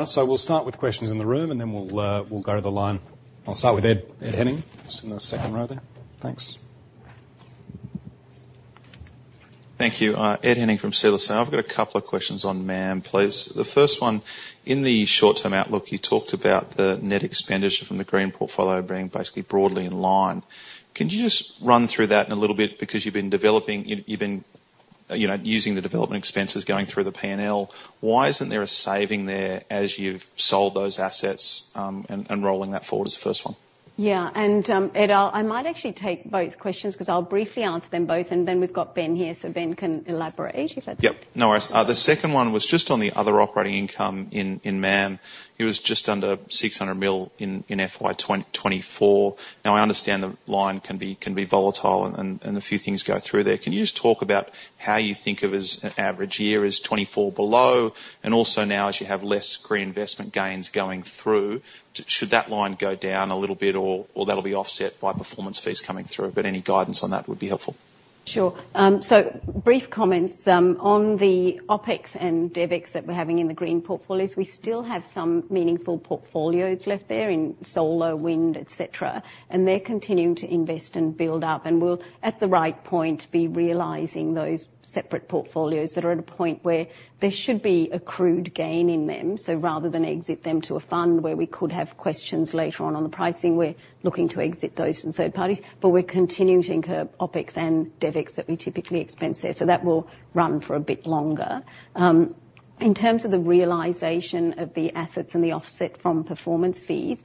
so we'll start with questions in the room, and then we'll go to the line. I'll start with Ed Henning just in the second row there. Thanks.
Thank you. Ed Henning from CLSA. I've got a couple of questions on MAM, please. The first one, in the short-term outlook, you talked about the net expenditure from the green portfolio being basically broadly in line. Can you just run through that in a little bit because you've been developing, you've been using the development expenses, going through the P&L? Why isn't there a saving there as you've sold those assets and rolling that forward as the first one?
Yeah. And, Ed, I might actually take both questions because I'll briefly answer them both, and then we've got Ben here, so Ben can elaborate if that's okay.
Yep. No worries. The second one was just on the other operating income in MAM. It was just under 600 million in FY24. Now, I understand the line can be volatile, and a few things go through there. Can you just talk about how you think of, as an average year, is 2024 below, and also now as you have less green investment gains going through? Should that line go down a little bit, or that'll be offset by performance fees coming through? But any guidance on that would be helpful.
Sure. So brief comments on the OPEX and DEVEX that we're having in the green portfolios. We still have some meaningful portfolios left there in solar, wind, etc., and they're continuing to invest and build up, and we'll, at the right point, be realizing those separate portfolios that are at a point where there should be accrued gain in them. So rather than exit them to a fund where we could have questions later on on the pricing, we're looking to exit those from third parties, but we're continuing to incur OPEX and DEVEX that we typically expense there, so that will run for a bit longer. In terms of the realization of the assets and the offset from performance fees,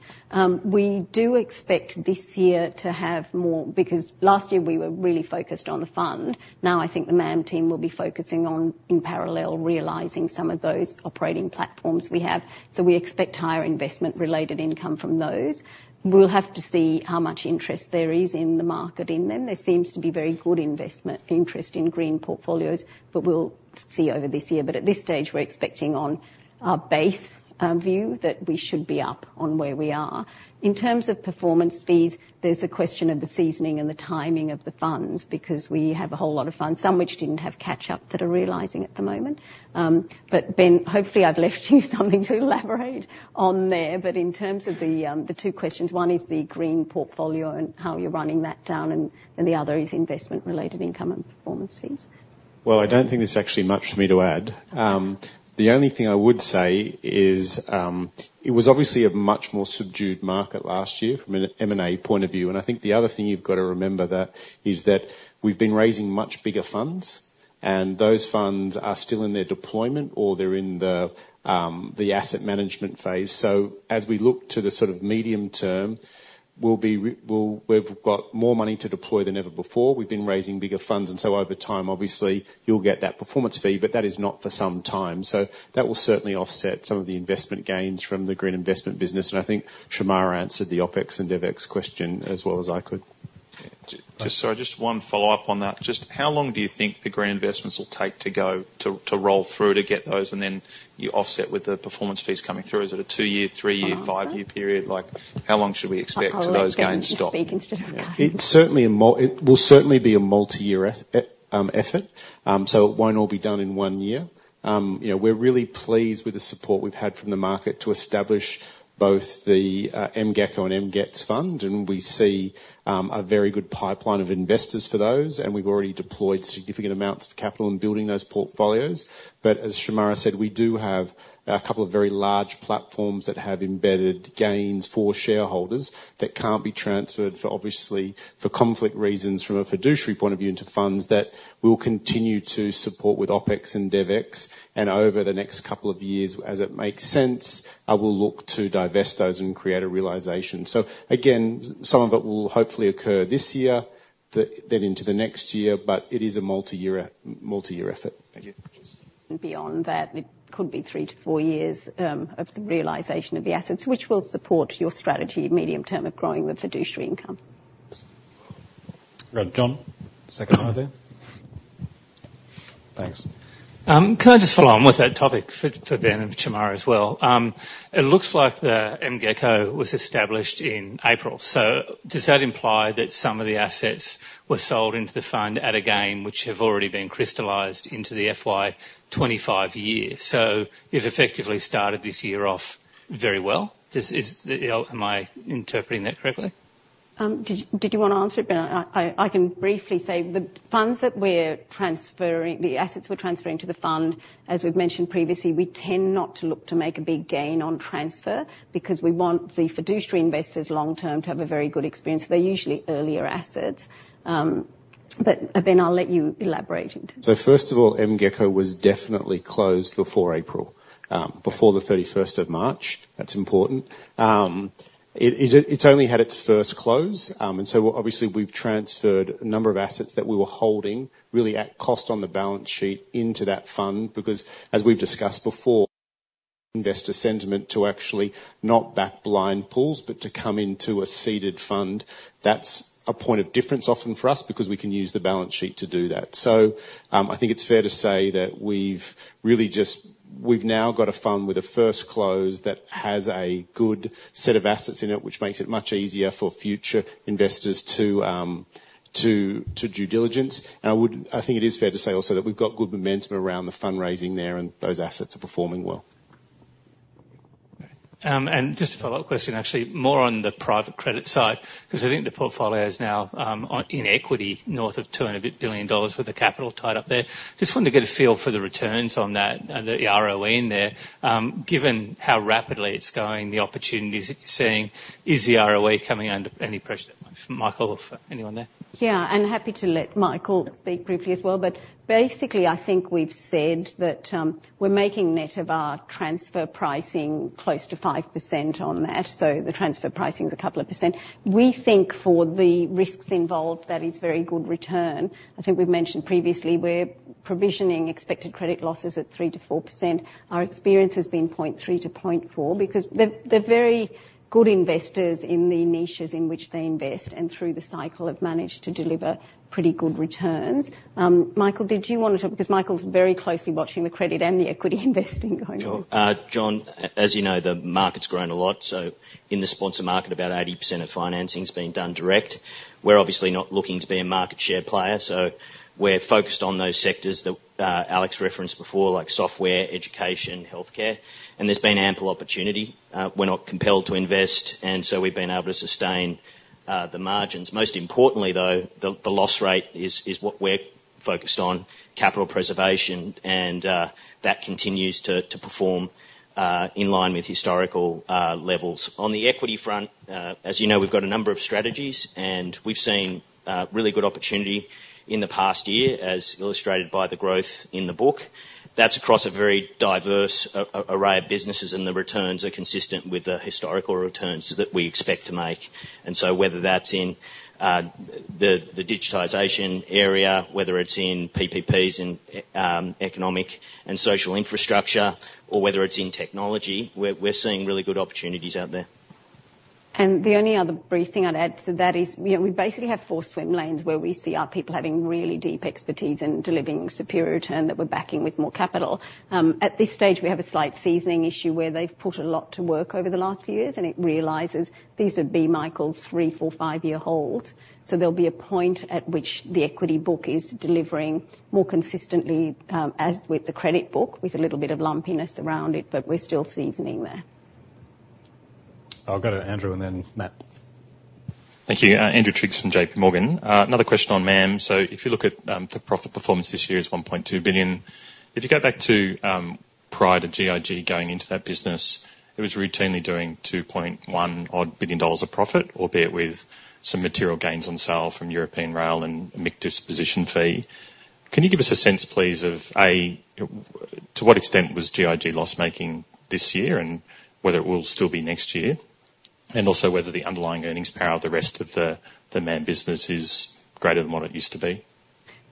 we do expect this year to have more because last year we were really focused on the fund. Now, I think the MAM team will be focusing on, in parallel, realizing some of those operating platforms we have, so we expect higher investment-related income from those. We'll have to see how much interest there is in the market in them. There seems to be very good interest in green portfolios, but we'll see over this year. But at this stage, we're expecting, on our base view, that we should be up on where we are. In terms of performance fees, there's the question of the seasoning and the timing of the funds because we have a whole lot of funds, some which didn't have catch-up that are realizing at the moment. But, Ben, hopefully, I've left you something to elaborate on there. But in terms of the two questions, one is the green portfolio and how you're running that down, and the other is investment-related income and performance fees.
Well, I don't think there's actually much for me to add. The only thing I would say is it was obviously a much more subdued market last year from an M&A point of view, and I think the other thing you've got to remember is that we've been raising much bigger funds, and those funds are still in their deployment or they're in the asset management phase. So as we look to the sort of medium term, we've got more money to deploy than ever before. We've been raising bigger funds, and so over time, obviously, you'll get that performance fee, but that is not for some time. So that will certainly offset some of the investment gains from the green investment business, and I think Shemara answered the OPEX and DEVEX question as well as I could.
Sorry, just one follow-up on that. Just how long do you think the green investments will take to roll through, to get those, and then you offset with the performance fees coming through? Is it a two-year, three-year, five-year period? How long should we expect to see those gains stop?
Oh, I was just speaking instead of cutting. It will certainly be a multi-year effort, so it won't all be done in one year. We're really pleased with the support we've had from the market to establish both the MGECO and MGET fund, and we see a very good pipeline of investors for those, and we've already deployed significant amounts of capital in building those portfolios. But as Shemara said, we do have a couple of very large platforms that have embedded gains for shareholders that can't be transferred, obviously, for conflict reasons from a fiduciary point of view into funds that we'll continue to support with OPEX and DEVEX, and over the next couple of years, as it makes sense, we'll look to divest those and create a realization. So again, some of it will hopefully occur this year, then into the next year, but it is a multi-year effort.
Thank you.
Beyond that, it could be three to four years of the realization of the assets, which will support your strategy, medium term of growing the fiduciary income.
Right. John, second line there.
Thanks. Can I just follow on with that topic for Ben and Shemara as well? It looks like the MGECO was established in April, so does that imply that some of the assets were sold into the fund at a gain which have already been crystallised into the FY 2025 year? So you've effectively started this year off very well. Am I interpreting that correctly?
Did you want to answer it, Ben? I can briefly say the funds that we're transferring, the assets we're transferring to the fund, as we've mentioned previously, we tend not to look to make a big gain on transfer because we want the fiduciary investors long-term to have a very good experience. They're usually earlier assets. But, Ben, I'll let you elaborate into that.
So first of all, MGECO was definitely closed before April, before the 31st of March. That's important. It's only had its first close, and so obviously, we've transferred a number of assets that we were holding really at cost on the balance sheet into that fund because, as we've discussed before, investor sentiment to actually not back blind pools but to come into a seeded fund, that's a point of difference often for us because we can use the balance sheet to do that. So I think it's fair to say that we've now got a fund with a first close that has a good set of assets in it, which makes it much easier for future investors to do due diligence. And I think it is fair to say also that we've got good momentum around the fundraising there, and those assets are performing well.
Just a follow-up question, actually, more on the private credit side because I think the portfolio is now in equity north of $200 billion with the capital tied up there. Just wanted to get a feel for the returns on that and the ROE in there. Given how rapidly it's going, the opportunities that you're seeing, is the ROE coming under any pressure? Michael or anyone there?
Yeah. And happy to let Michael speak briefly as well. But basically, I think we've said that we're making net of our transfer pricing close to 5% on that, so the transfer pricing's a couple of percent. We think for the risks involved, that is very good return. I think we've mentioned previously, we're provisioning expected credit losses at 3%-4%. Our experience has been 0.3-0.4 because they're very good investors in the niches in which they invest and through the cycle have managed to deliver pretty good returns. Michael, did you want to talk because Michael's very closely watching the credit and the equity investing going on?
Sure. John, as you know, the market's grown a lot, so in the sponsor market, about 80% of financing's been done direct. We're obviously not looking to be a market share player, so we're focused on those sectors that Alex referenced before, like software, education, healthcare, and there's been ample opportunity. We're not compelled to invest, and so we've been able to sustain the margins. Most importantly, though, the loss rate is what we're focused on, capital preservation, and that continues to perform in line with historical levels. On the equity front, as you know, we've got a number of strategies, and we've seen really good opportunity in the past year, as illustrated by the growth in the book. That's across a very diverse array of businesses, and the returns are consistent with the historical returns that we expect to make. And so whether that's in the digitization area, whether it's in PPPs in economic and social infrastructure, or whether it's in technology, we're seeing really good opportunities out there.
And the only other briefing I'd add to that is we basically have four swim lanes where we see our people having really deep expertise and delivering superior return that we're backing with more capital. At this stage, we have a slight seasoning issue where they've put a lot to work over the last few years, and it realizes these are buy-and-hold's three, four, five-year holds. So there'll be a point at which the equity book is delivering more consistently with the credit book, with a little bit of lumpiness around it, but we're still seasoning there.
I'll go to Andrew, and then Matt.
Thank you. Andrew Triggs from J.P. Morgan. Another question on MAM. So if you look at the profit performance this year, it's 1.2 billion. If you go back to prior to GIG going into that business, it was routinely doing 2.1-odd billion dollars of profit, albeit with some material gains on sale from European Rail and an M&A disposition fee. Can you give us a sense, please, of, A, to what extent was GIG loss-making this year and whether it will still be next year, and also whether the underlying earnings power of the rest of the MAM business is greater than what it used to be?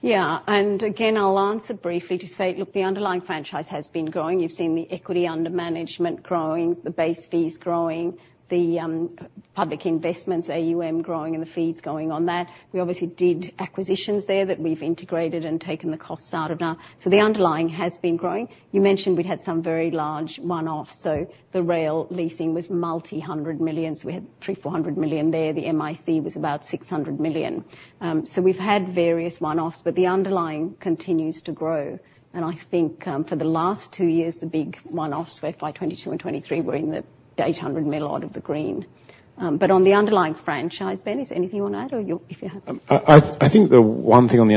Yeah. Again, I'll answer briefly to say, look, the underlying franchise has been growing. You've seen the equity under-management growing, the base fees growing, the Public Investments, AUM, growing, and the fees going on that. We obviously did acquisitions there that we've integrated and taken the costs out of now. So the underlying has been growing. You mentioned we'd had some very large one-offs, so the rail leasing was AUD multi-hundred millions. We had 300-400 million there. The MIC was about 600 million. So we've had various one-offs, but the underlying continues to grow. And I think for the last two years, the big one-offs for FY 2022 and 2023 were in the 800 million odd of the green. But on the underlying franchise, Ben, is there anything on that, or if you have?
I think the one thing on the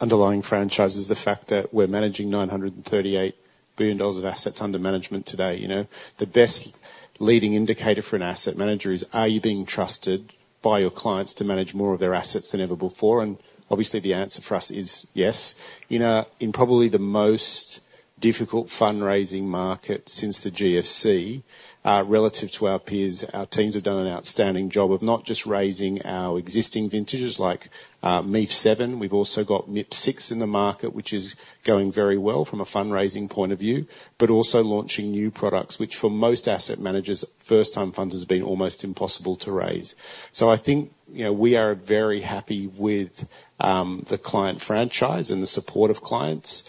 underlying franchise is the fact that we're managing $938 billion of assets under management today. The best leading indicator for an asset manager is, are you being trusted by your clients to manage more of their assets than ever before? And obviously, the answer for us is yes. In probably the most difficult fundraising market since the GFC, relative to our peers, our teams have done an outstanding job of not just raising our existing vintages like MEIF7. We've also got MIP6 in the market, which is going very well from a fundraising point of view, but also launching new products which, for most asset managers, first-time funds has been almost impossible to raise. So I think we are very happy with the client franchise and the support of clients.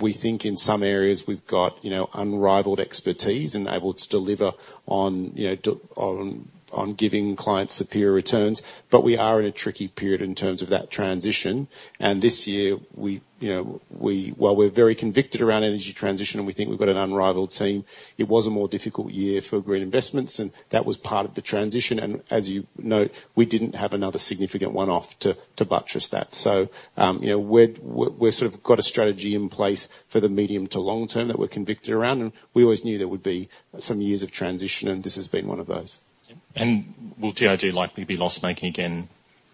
We think in some areas, we've got unrivaled expertise and able to deliver on giving clients superior returns, but we are in a tricky period in terms of that transition. And this year, while we're very convicted around energy transition and we think we've got an unrivaled team, it was a more difficult year for green investments, and that was part of the transition. And as you note, we didn't have another significant one-off to buttress that. So we've sort of got a strategy in place for the medium to long term that we're convicted around, and we always knew there would be some years of transition, and this has been one of those.
And will GIG likely be loss-making again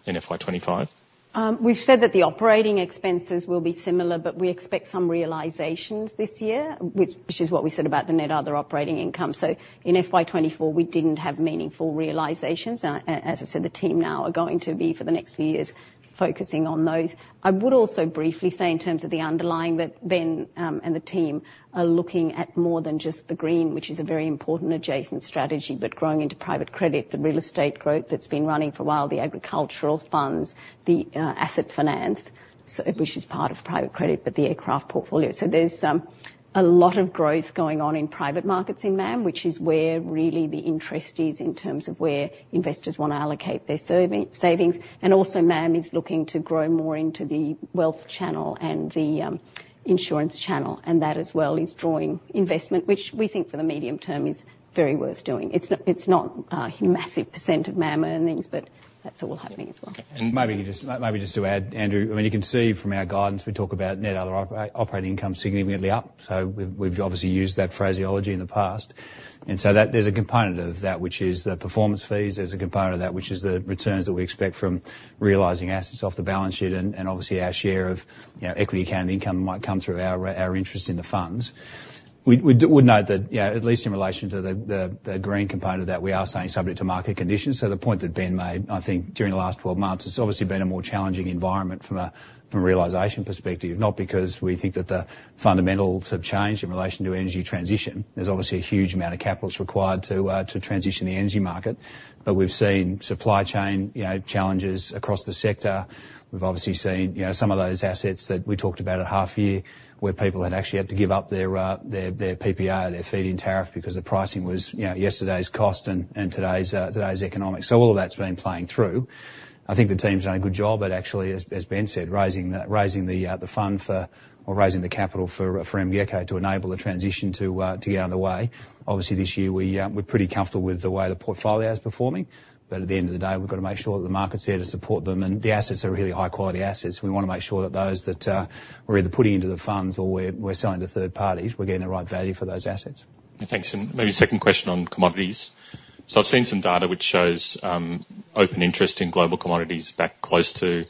in FY 2025?
We've said that the operating expenses will be similar, but we expect some realizations this year, which is what we said about the net other operating income. So in FY2024, we didn't have meaningful realisations. As I said, the team now are going to be, for the next few years, focusing on those. I would also briefly say, in terms of the underlying, that Ben and the team are looking at more than just the green, which is a very important adjacent strategy, but growing into private credit, the real estate growth that's been running for a while, the agricultural funds, the Asset Finance, which is part of private credit, but the aircraft portfolio. So there's a lot of growth going on in Private Markets in MAM, which is where really the interest is in terms of where investors want to allocate their savings. And also, MAM is looking to grow more into the wealth channel and the insurance channel, and that as well is drawing investment, which we think for the medium term is very worth doing. It's not a massive % of MAM earnings, but that's all happening as well.
And maybe just to add, Andrew, I mean, you can see from our guidance, we talk about net other operating income significantly up. So we've obviously used that phraseology in the past. And so there's a component of that, which is the performance fees. There's a component of that, which is the returns that we expect from realising assets off the balance sheet and obviously our share of equity accounted income might come through our interest in the funds. We'd note that, at least in relation to the green component of that, we are saying subject to market conditions. So the point that Ben made, I think, during the last 12 months, it's obviously been a more challenging environment from a realisation perspective, not because we think that the fundamentals have changed in relation to energy transition. There's obviously a huge amount of capital that's required to transition the energy market, but we've seen supply chain challenges across the sector. We've obviously seen some of those assets that we talked about at half-year where people had actually had to give up their PPA, their feed-in tariff, because the pricing was yesterday's cost and today's economics. So all of that's been playing through. I think the team's done a good job at, actually, as Ben said, raising the fund for or raising the capital for MGECO to enable the transition to get underway. Obviously, this year, we're pretty comfortable with the way the portfolio's performing, but at the end of the day, we've got to make sure that the market's there to support them, and the assets are really high-quality assets. We want to make sure that those that we're either putting into the funds or we're selling to third parties, we're getting the right value for those assets.
Thanks. And maybe second question on commodities. So I've seen some data which shows open interest in global commodities back close to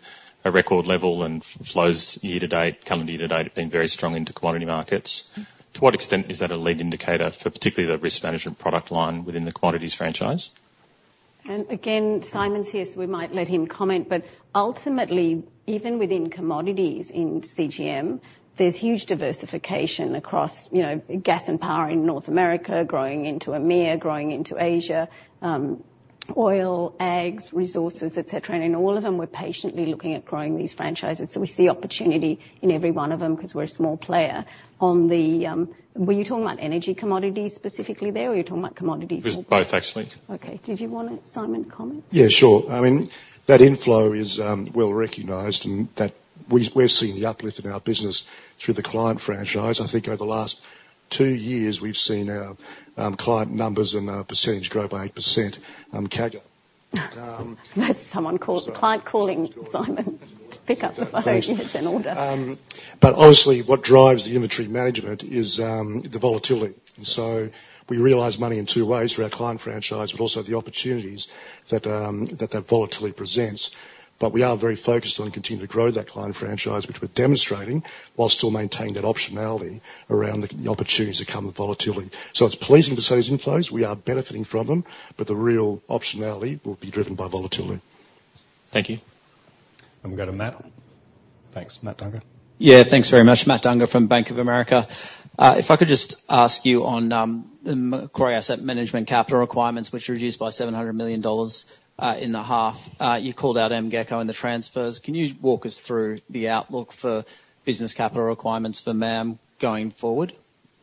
a record level and flows year to date, coming year to date, have been very strong into commodity markets. To what extent is that a lead indicator for particularly the risk management product line within the commodities franchise?
And again, Simon's here, so we might let him comment. But ultimately, even within commodities in CGM, there's huge diversification across gas and power in North America, growing into EMEA, growing into Asia, oil, ags, resources, etc. And in all of them, we're patiently looking at growing these franchises. So we see opportunity in every one of them because we're a small player. Were you talking about energy commodities specifically there, or were you talking about commodities?
It was both, actually.
Okay. Did you want to, Simon, comment?
Yeah, sure. I mean, that inflow is well recognized, and we're seeing the uplift in our business through the client franchise. I think over the last two years, we've seen our client numbers and percentage grow by 8%. That's someone calling the client calling, Simon, to pick up the phone. Yeah, it's an order. But obviously, what drives the inventory management is the volatility. So we realize money in two ways through our client franchise, but also the opportunities that that volatility presents. But we are very focused on continuing to grow that client franchise, which we're demonstrating, while still maintaining that optionality around the opportunities that come with volatility. So it's pleasing to say these inflows. We are benefiting from them, but the real optionality will be driven by volatility.
Thank you.
And we've got a Matt. Thanks. Matt Dunger.
Yeah, thanks very much. Matt Dunger from Bank of America. If I could just ask you on the Macquarie Asset Management capital requirements, which are reduced by 700 million dollars in the half, you called out MGECO and the transfers. Can you walk us through the outlook for business capital requirements for MAM going forward?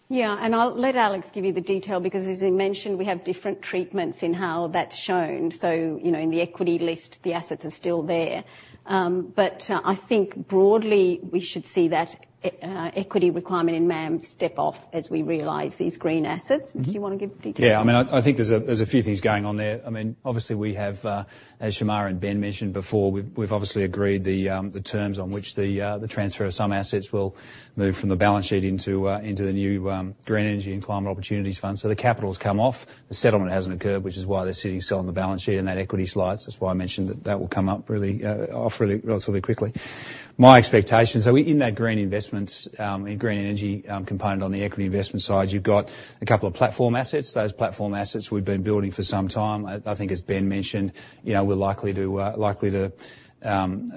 Yeah. And I'll let Alex give you the detail because, as he mentioned, we have different treatments in how that's shown. So in the equity list, the assets are still there. But I think broadly, we should see that equity requirement in MAM step off as we realize these green assets. Do you want to give details?
Yeah. I mean, I think there's a few things going on there. I mean, obviously, we have, as Shemara and Ben mentioned before, we've obviously agreed the terms on which the transfer of some assets will move from the balance sheet into the new Green Energy and Climate Opportunities Fund. So the capital's come off. The settlement hasn't occurred, which is why they're sitting still on the balance sheet and that equity slides. That's why I mentioned that that will come up off relatively quickly. My expectations, so in that green investments, in green energy component on the equity investment side, you've got a couple of platform assets. Those platform assets, we've been building for some time. I think, as Ben mentioned, we're likely to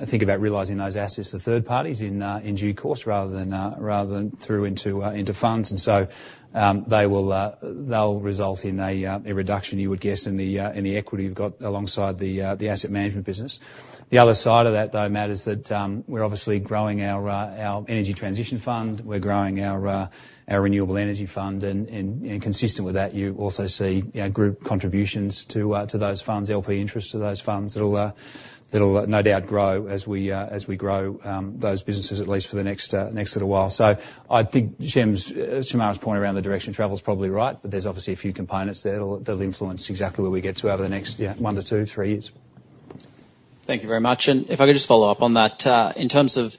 think about realizing those assets to third parties in due course rather than through into funds. And so they'll result in a reduction, you would guess, in the equity you've got alongside the asset management business. The other side of that, though, Matt, is that we're obviously growing our energy transition fund. We're growing our renewable energy fund. And consistent with that, you also see group contributions to those funds, LP interests to those funds that'll no doubt grow as we grow those businesses, at least for the next little while. So I think Shemara's point around the direction of travel's probably right, but there's obviously a few components there that'll influence exactly where we get to over the next one to two, three years.
Thank you very much. If I could just follow up on that, in terms of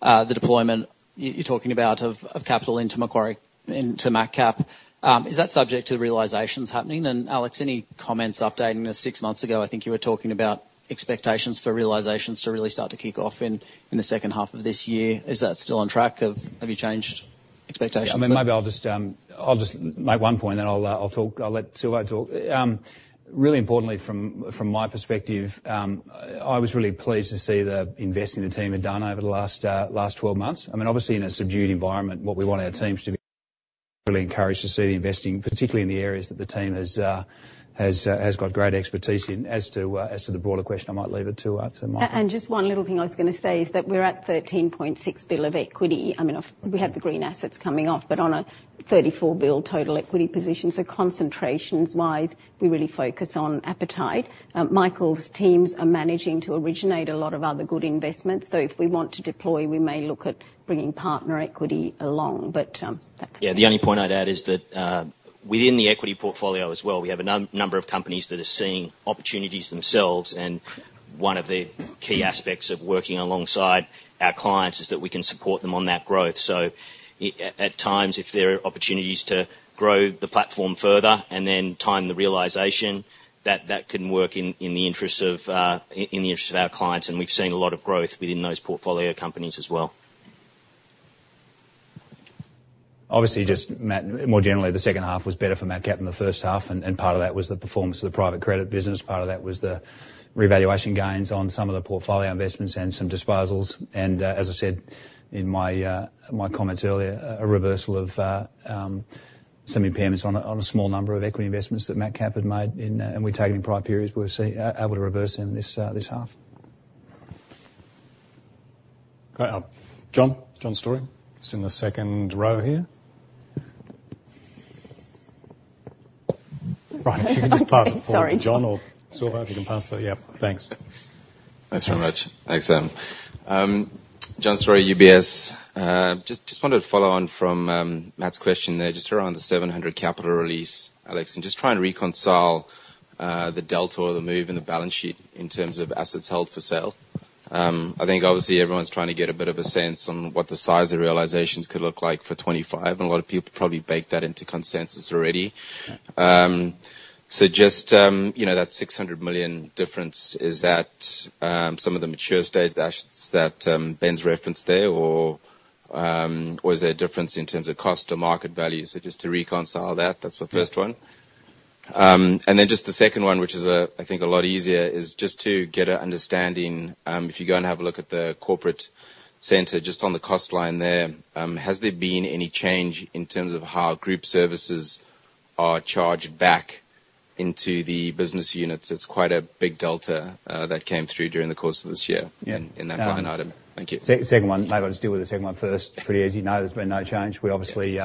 the deployment you're talking about of capital into MacCap, is that subject to realizations happening? And Alex, any comments updating? Now, six months ago, I think you were talking about expectations for realizations to really start to kick off in the second half of this year. Is that still on track? Have you changed expectations?
Yeah. I mean, maybe I'll just make one point, and then I'll let Silverton talk. Really importantly, from my perspective, I was really pleased to see the investment team had done over the last 12 months. I mean, obviously, in a subdued environment, what we want our teams to be really encouraged to see the investing, particularly in the areas that the team has got great expertise in. As to the broader question, I might leave it to Michael.
And just one little thing I was going to say is that we're at 13.6 billion of equity. I mean, we have the green assets coming off, but on a 34 billion total equity position. So concentrations-wise, we really focus on appetite. Michael's teams are managing to originate a lot of other good investments. So if we want to deploy, we may look at bringing partner equity along, but that's it.
Yeah. The only point I'd add is that within the equity portfolio as well, we have a number of companies that are seeing opportunities themselves. One of the key aspects of working alongside our clients is that we can support them on that growth. At times, if there are opportunities to grow the platform further and then time the realisation, that can work in the interests of our clients. We've seen a lot of growth within those portfolio companies as well.
Obviously, just, Matt, more generally, the second half was better for MacCap than the first half. Part of that was the performance of the private credit business. Part of that was the revaluation gains on some of the portfolio investments and some disposals. As I said in my comments earlier, a reversal of some impairments on a small number of equity investments that MacCap had made. We're taking prior periods. We were able to reverse them this half.
Great. John? John Storey, just in the second row here. Ryan, if you could just pass it for John or Silva, if you can pass that. Yeah. Thanks.
Thanks very much. Thanks, Sam. John Storey, UBS. Just wanted to follow on from Matt's question there, just around the 700 million capital release, Alex, and just try and reconcile the delta or the move in the balance sheet in terms of assets held for sale. I think, obviously, everyone's trying to get a bit of a sense on what the size of realizations could look like for 2025, and a lot of people probably baked that into consensus already. So just that 600 million difference, is that some of the mature-stage assets that Ben's referenced there, or is there a difference in terms of cost or market value? So just to reconcile that, that's the first one. And then just the second one, which is, I think, a lot easier, is just to get an understanding. If you go and have a look at the corporate center just on the cost line there, has there been any change in terms of how group services are charged back into the business units? It's quite a big delta that came through during the course of this year in that line item. Thank you.
Second one. Maybe I'll just deal with the second one first. Pretty as you know, there's been no change. Obviously,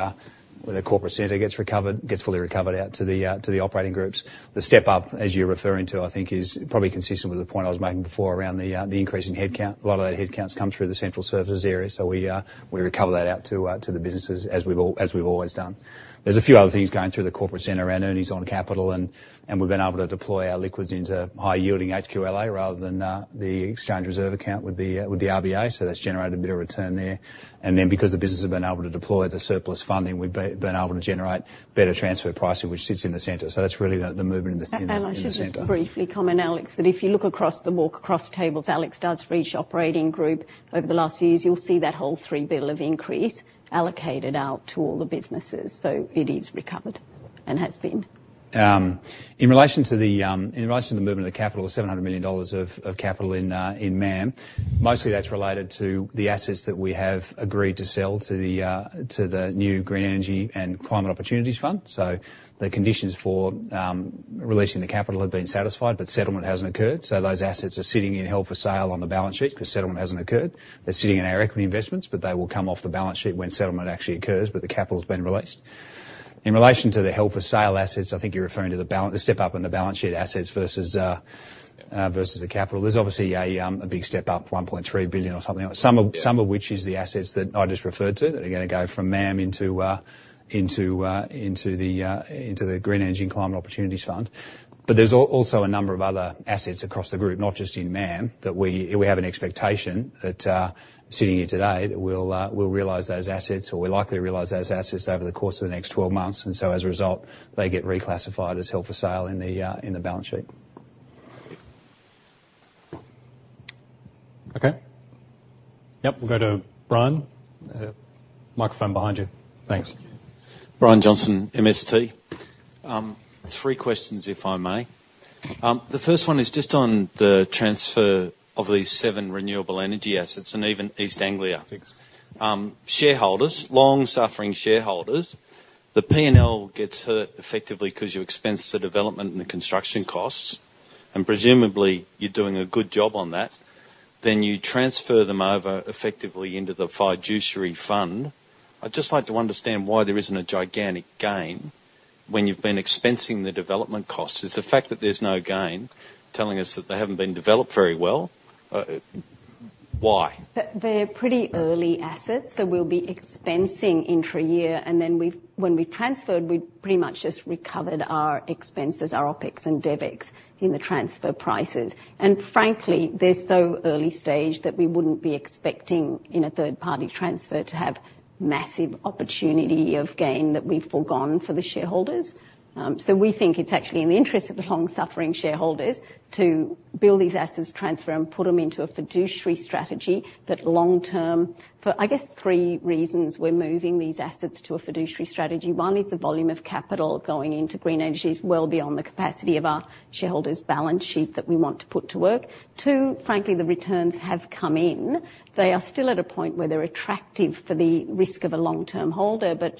when the corporate center gets fully recovered out to the operating groups, the step up, as you're referring to, I think, is probably consistent with the point I was making before around the increase in headcount. A lot of that headcount's come through the central services area, so we recover that out to the businesses as we've always done. There's a few other things going through the corporate centre around earnings on capital, and we've been able to deploy our liquids into high-yielding HQLA rather than the exchange reserve account with the RBA. So that's generated a bit of return there. And then because the businesses have been able to deploy the surplus funding, we've been able to generate better transfer pricing, which sits in the centre. So that's really the movement in the centre.
And I should just briefly comment, Alex, that if you look across the walk across tables Alex does for each operating group over the last few years, you'll see that whole 3 billion of increase allocated out to all the businesses. So it is recovered and has been.
In relation to the movement of the capital, the 700 million dollars of capital in MAM, mostly that's related to the assets that we have agreed to sell to the new Green Energy and Climate Opportunities Fund. So the conditions for releasing the capital have been satisfied, but settlement hasn't occurred. So those assets are sitting in held-for-sale on the balance sheet because settlement hasn't occurred. They're sitting in our equity investments, but they will come off the balance sheet when settlement actually occurs, but the capital's been released. In relation to the held-for-sale assets, I think you're referring to the step up in the balance sheet assets versus the capital. There's obviously a big step up, 1.3 billion or something like that, some of which is the assets that I just referred to that are going to go from MAM into the Green Energy and Climate Opportunities Fund. But there's also a number of other assets across the group, not just in MAM, that we have an expectation that sitting here today that we'll realise those assets, or we'll likely realise those assets over the course of the next 12 months. And so, as a result, they get reclassified as held for sale in the balance sheet.
Okay. Yep. We'll go to Brian. Microphone behind you. Thanks.
Brian Johnson, MST. Three questions, if I may. The first one is just on the transfer of these seven renewable energy assets and even East Anglia. Thanks. Long-suffering shareholders, the P&L gets hurt effectively because you expense the development and the construction costs, and presumably, you're doing a good job on that. Then you transfer them over effectively into the fiduciary fund. I'd just like to understand why there isn't a gigantic gain when you've been expensing the development costs. Is the fact that there's no gain telling us that they haven't been developed very well? Why?
They're pretty early assets, so we'll be expensing intra-year. And then when we transferred, we pretty much just recovered our expenses, our OPEX and DEVEX in the transfer prices. And frankly, they're so early stage that we wouldn't be expecting in a third-party transfer to have massive opportunity of gain that we've foregone for the shareholders. So we think it's actually in the interest of the long-suffering shareholders to build these assets, transfer them, put them into a fiduciary strategy that long-term for, I guess, three reasons we're moving these assets to a fiduciary strategy. One, it's the volume of capital going into green energy is well beyond the capacity of our shareholders' balance sheet that we want to put to work. Two, frankly, the returns have come in. They are still at a point where they're attractive for the risk of a long-term holder. But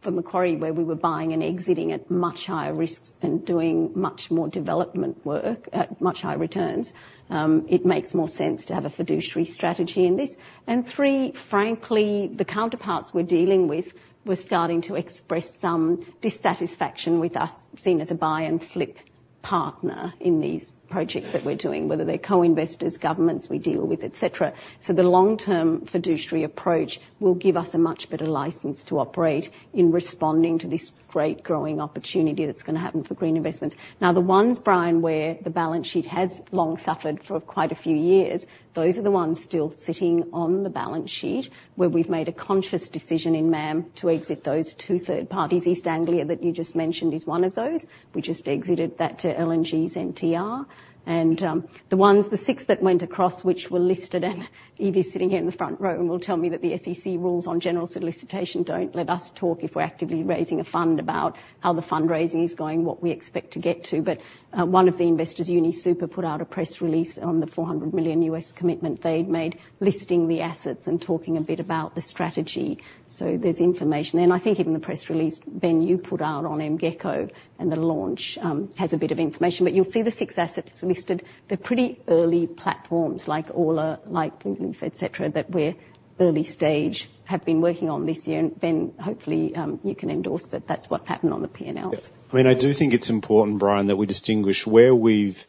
for Macquarie, where we were buying and exiting at much higher risks and doing much more development work at much higher returns, it makes more sense to have a fiduciary strategy in this. And three, frankly, the counterparts we're dealing with were starting to express some dissatisfaction with us seen as a buy-and-flip partner in these projects that we're doing, whether they're co-investors, governments we deal with, etc. So the long-term fiduciary approach will give us a much better license to operate in responding to this great growing opportunity that's going to happen for green investments. Now, the ones, Brian, where the balance sheet has long suffered for quite a few years, those are the ones still sitting on the balance sheet where we've made a conscious decision in MAM to exit those two third parties. East Anglia that you just mentioned is one of those. We just exited that to L&G's NTR. And the six that went across, which were listed and Evie's sitting here in the front row, and will tell me that the SEC rules on general solicitation don't let us talk if we're actively raising a fund about how the fundraising is going, what we expect to get to. But one of the investors, UniSuper, put out a press release on the $400 million commitment they'd made listing the assets and talking a bit about the strategy. So there's information. Then I think even the press release Ben you put out on MGECO and the launch has a bit of information. But you'll see the six assets listed. They're pretty early platforms like Aula, like PNE, etc., that we're early stage, have been working on this year. And Ben, hopefully, you can endorse that that's what happened on the P&Ls.
Yeah. I mean, I do think it's important, Brian, that we distinguish where we've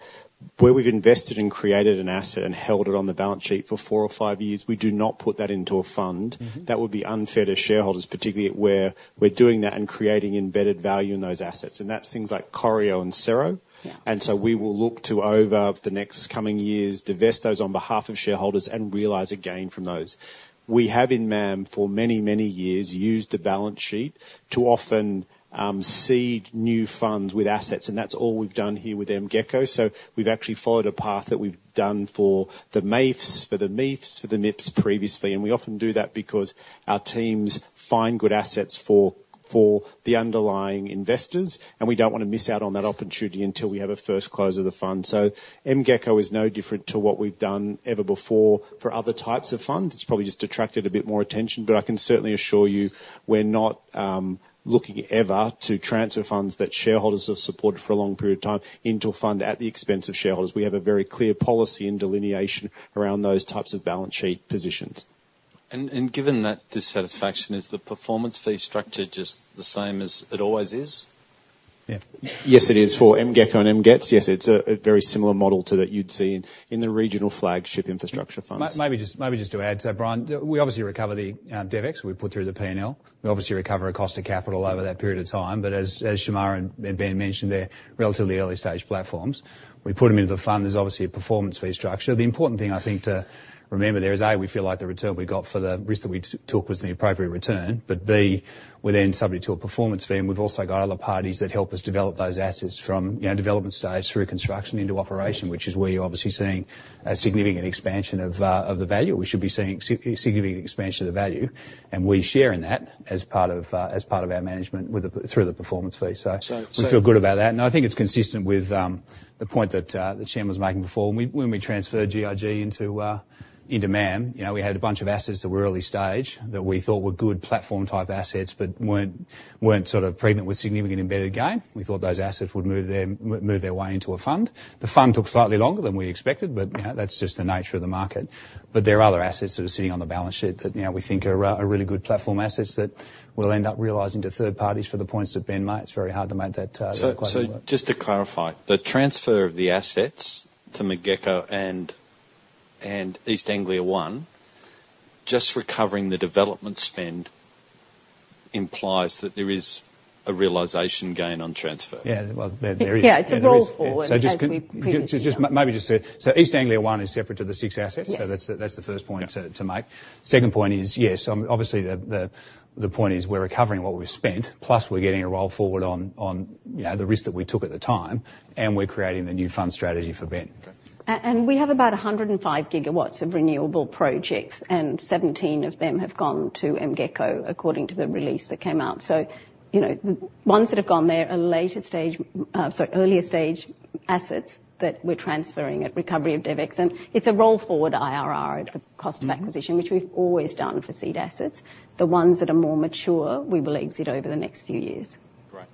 invested and created an asset and held it on the balance sheet for four or five years. We do not put that into a fund. That would be unfair to shareholders, particularly where we're doing that and creating embedded value in those assets. And that's things like Corio and Cero. And so we will look to, over the next coming years, divest those on behalf of shareholders and realize a gain from those. We have in MAM for many, many years used the balance sheet to often seed new funds with assets. That's all we've done here with MGECO. We've actually followed a path that we've done for the MEIFs, for the MIFs, for the MIPS previously. We often do that because our teams find good assets for the underlying investors, and we don't want to miss out on that opportunity until we have a first close of the fund. MGECO is no different to what we've done ever before for other types of funds. It's probably just attracted a bit more attention. I can certainly assure you we're not looking ever to transfer funds that shareholders have supported for a long period of time into a fund at the expense of shareholders. We have a very clear policy and delineation around those types of balance sheet positions.
And given that dissatisfaction, is the performance fee structure just the same as it always is? Yes, it is. For MGECO and MGET, yes, it's a very similar model to that you'd see in the regional flagship infrastructure funds.
Maybe just to add, sir, Brian, we obviously recover the DEVEX we put through the P&L. We obviously recover a cost of capital over that period of time. But as Shemara and Ben mentioned, they're relatively early-stage platforms. We put them into the fund. There's obviously a performance fee structure. The important thing, I think, to remember there is, A, we feel like the return we got for the risk that we took was the appropriate return. But, B, we're then subject to a performance fee. And we've also got other parties that help us develop those assets from development stage through construction into operation, which is where you're obviously seeing a significant expansion of the value. We should be seeing significant expansion of the value. And we share in that as part of our management through the performance fee. So we feel good about that. And I think it's consistent with the point that the chairman was making before. When we transferred GIG into MAM, we had a bunch of assets that were early stage that we thought were good platform-type assets but weren't sort of pregnant with significant embedded gain. We thought those assets would move their way into a fund. The fund took slightly longer than we expected, but that's just the nature of the market. But there are other assets that are sitting on the balance sheet that we think are really good platform assets that we'll end up realizing to third parties for the points that Ben made. It's very hard to make that quite a point.
So just to clarify, the transfer of the assets to MGECO and East Anglia One, just recovering the development spend implies that there is a realization gain on transfer.
Yeah. Well, there is. Yeah. It's a roll forward. So maybe just to East Anglia One is separate to the six assets. So that's the first point to make. Second point is, yes, obviously, the point is we're recovering what we've spent, plus we're getting a roll forward on the risk that we took at the time, and we're creating the new fund strategy for Ben.
We have about 105 gigawatts of renewable projects, and 17 of them have gone to MGECO according to the release that came out. So the ones that have gone there are later stage sorry, earlier stage assets that we're transferring at recovery of DEVEX. And it's a roll forward IRR at the cost of acquisition, which we've always done for seed assets. The ones that are more mature, we will exit over the next few years.
Great.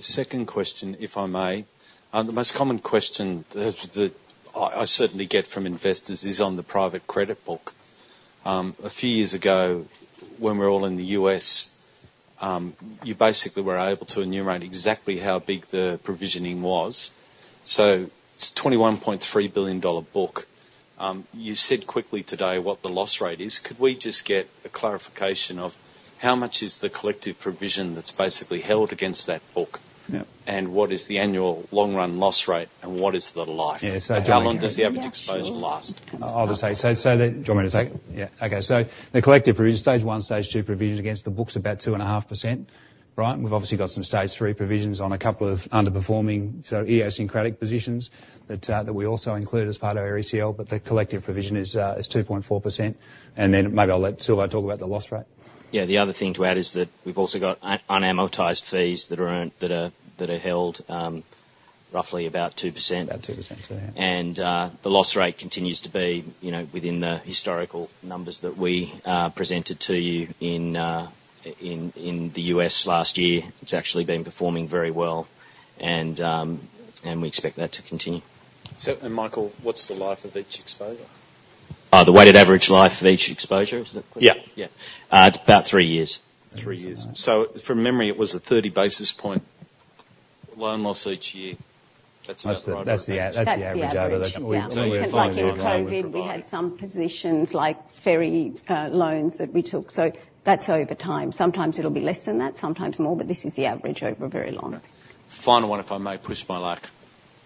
Second question, if I may. The most common question that I certainly get from investors is on the private credit book. A few years ago, when we were all in the U.S., you basically were able to enumerate exactly how big the provisioning was. So it's a $21.3 billion book. You said quickly today what the loss rate is. Could we just get a clarification of how much is the collective provision that's basically held against that book, and what is the annual long-run loss rate, and what is the life? And how long does the average exposure last?
I'll just say. So do you want me to take it? Yeah. Okay. So the collective provision, stage one, stage two provision against the book's about 2.5%, right? And we've obviously got some stage three provisions on a couple of underperforming, so idiosyncratic positions that we also include as part of our ACL. But the collective provision is 2.4%. And then maybe I'll let Silverton talk about the loss rate.
Yeah. The other thing to add is that we've also got unamortized fees that are held roughly about 2%. About 2%. So yeah. The loss rate continues to be within the historical numbers that we presented to you in the U.S. last year. It's actually been performing very well, and we expect that to continue.
And Michael, what's the life of each exposure?
The weighted average life of each exposure? Is that the question?
Yeah.
Yeah. It's about three years.
Three years. So from memory, it was a 30 basis point loan loss each year. That's about right.
That's the average over the year. So we're following the overall. Yeah. And then, like in COVID, we had some positions like ferry loans that we took. So that's over time. Sometimes it'll be less than that. Sometimes more. But this is the average over a very long.
Final one, if I may, push my luck.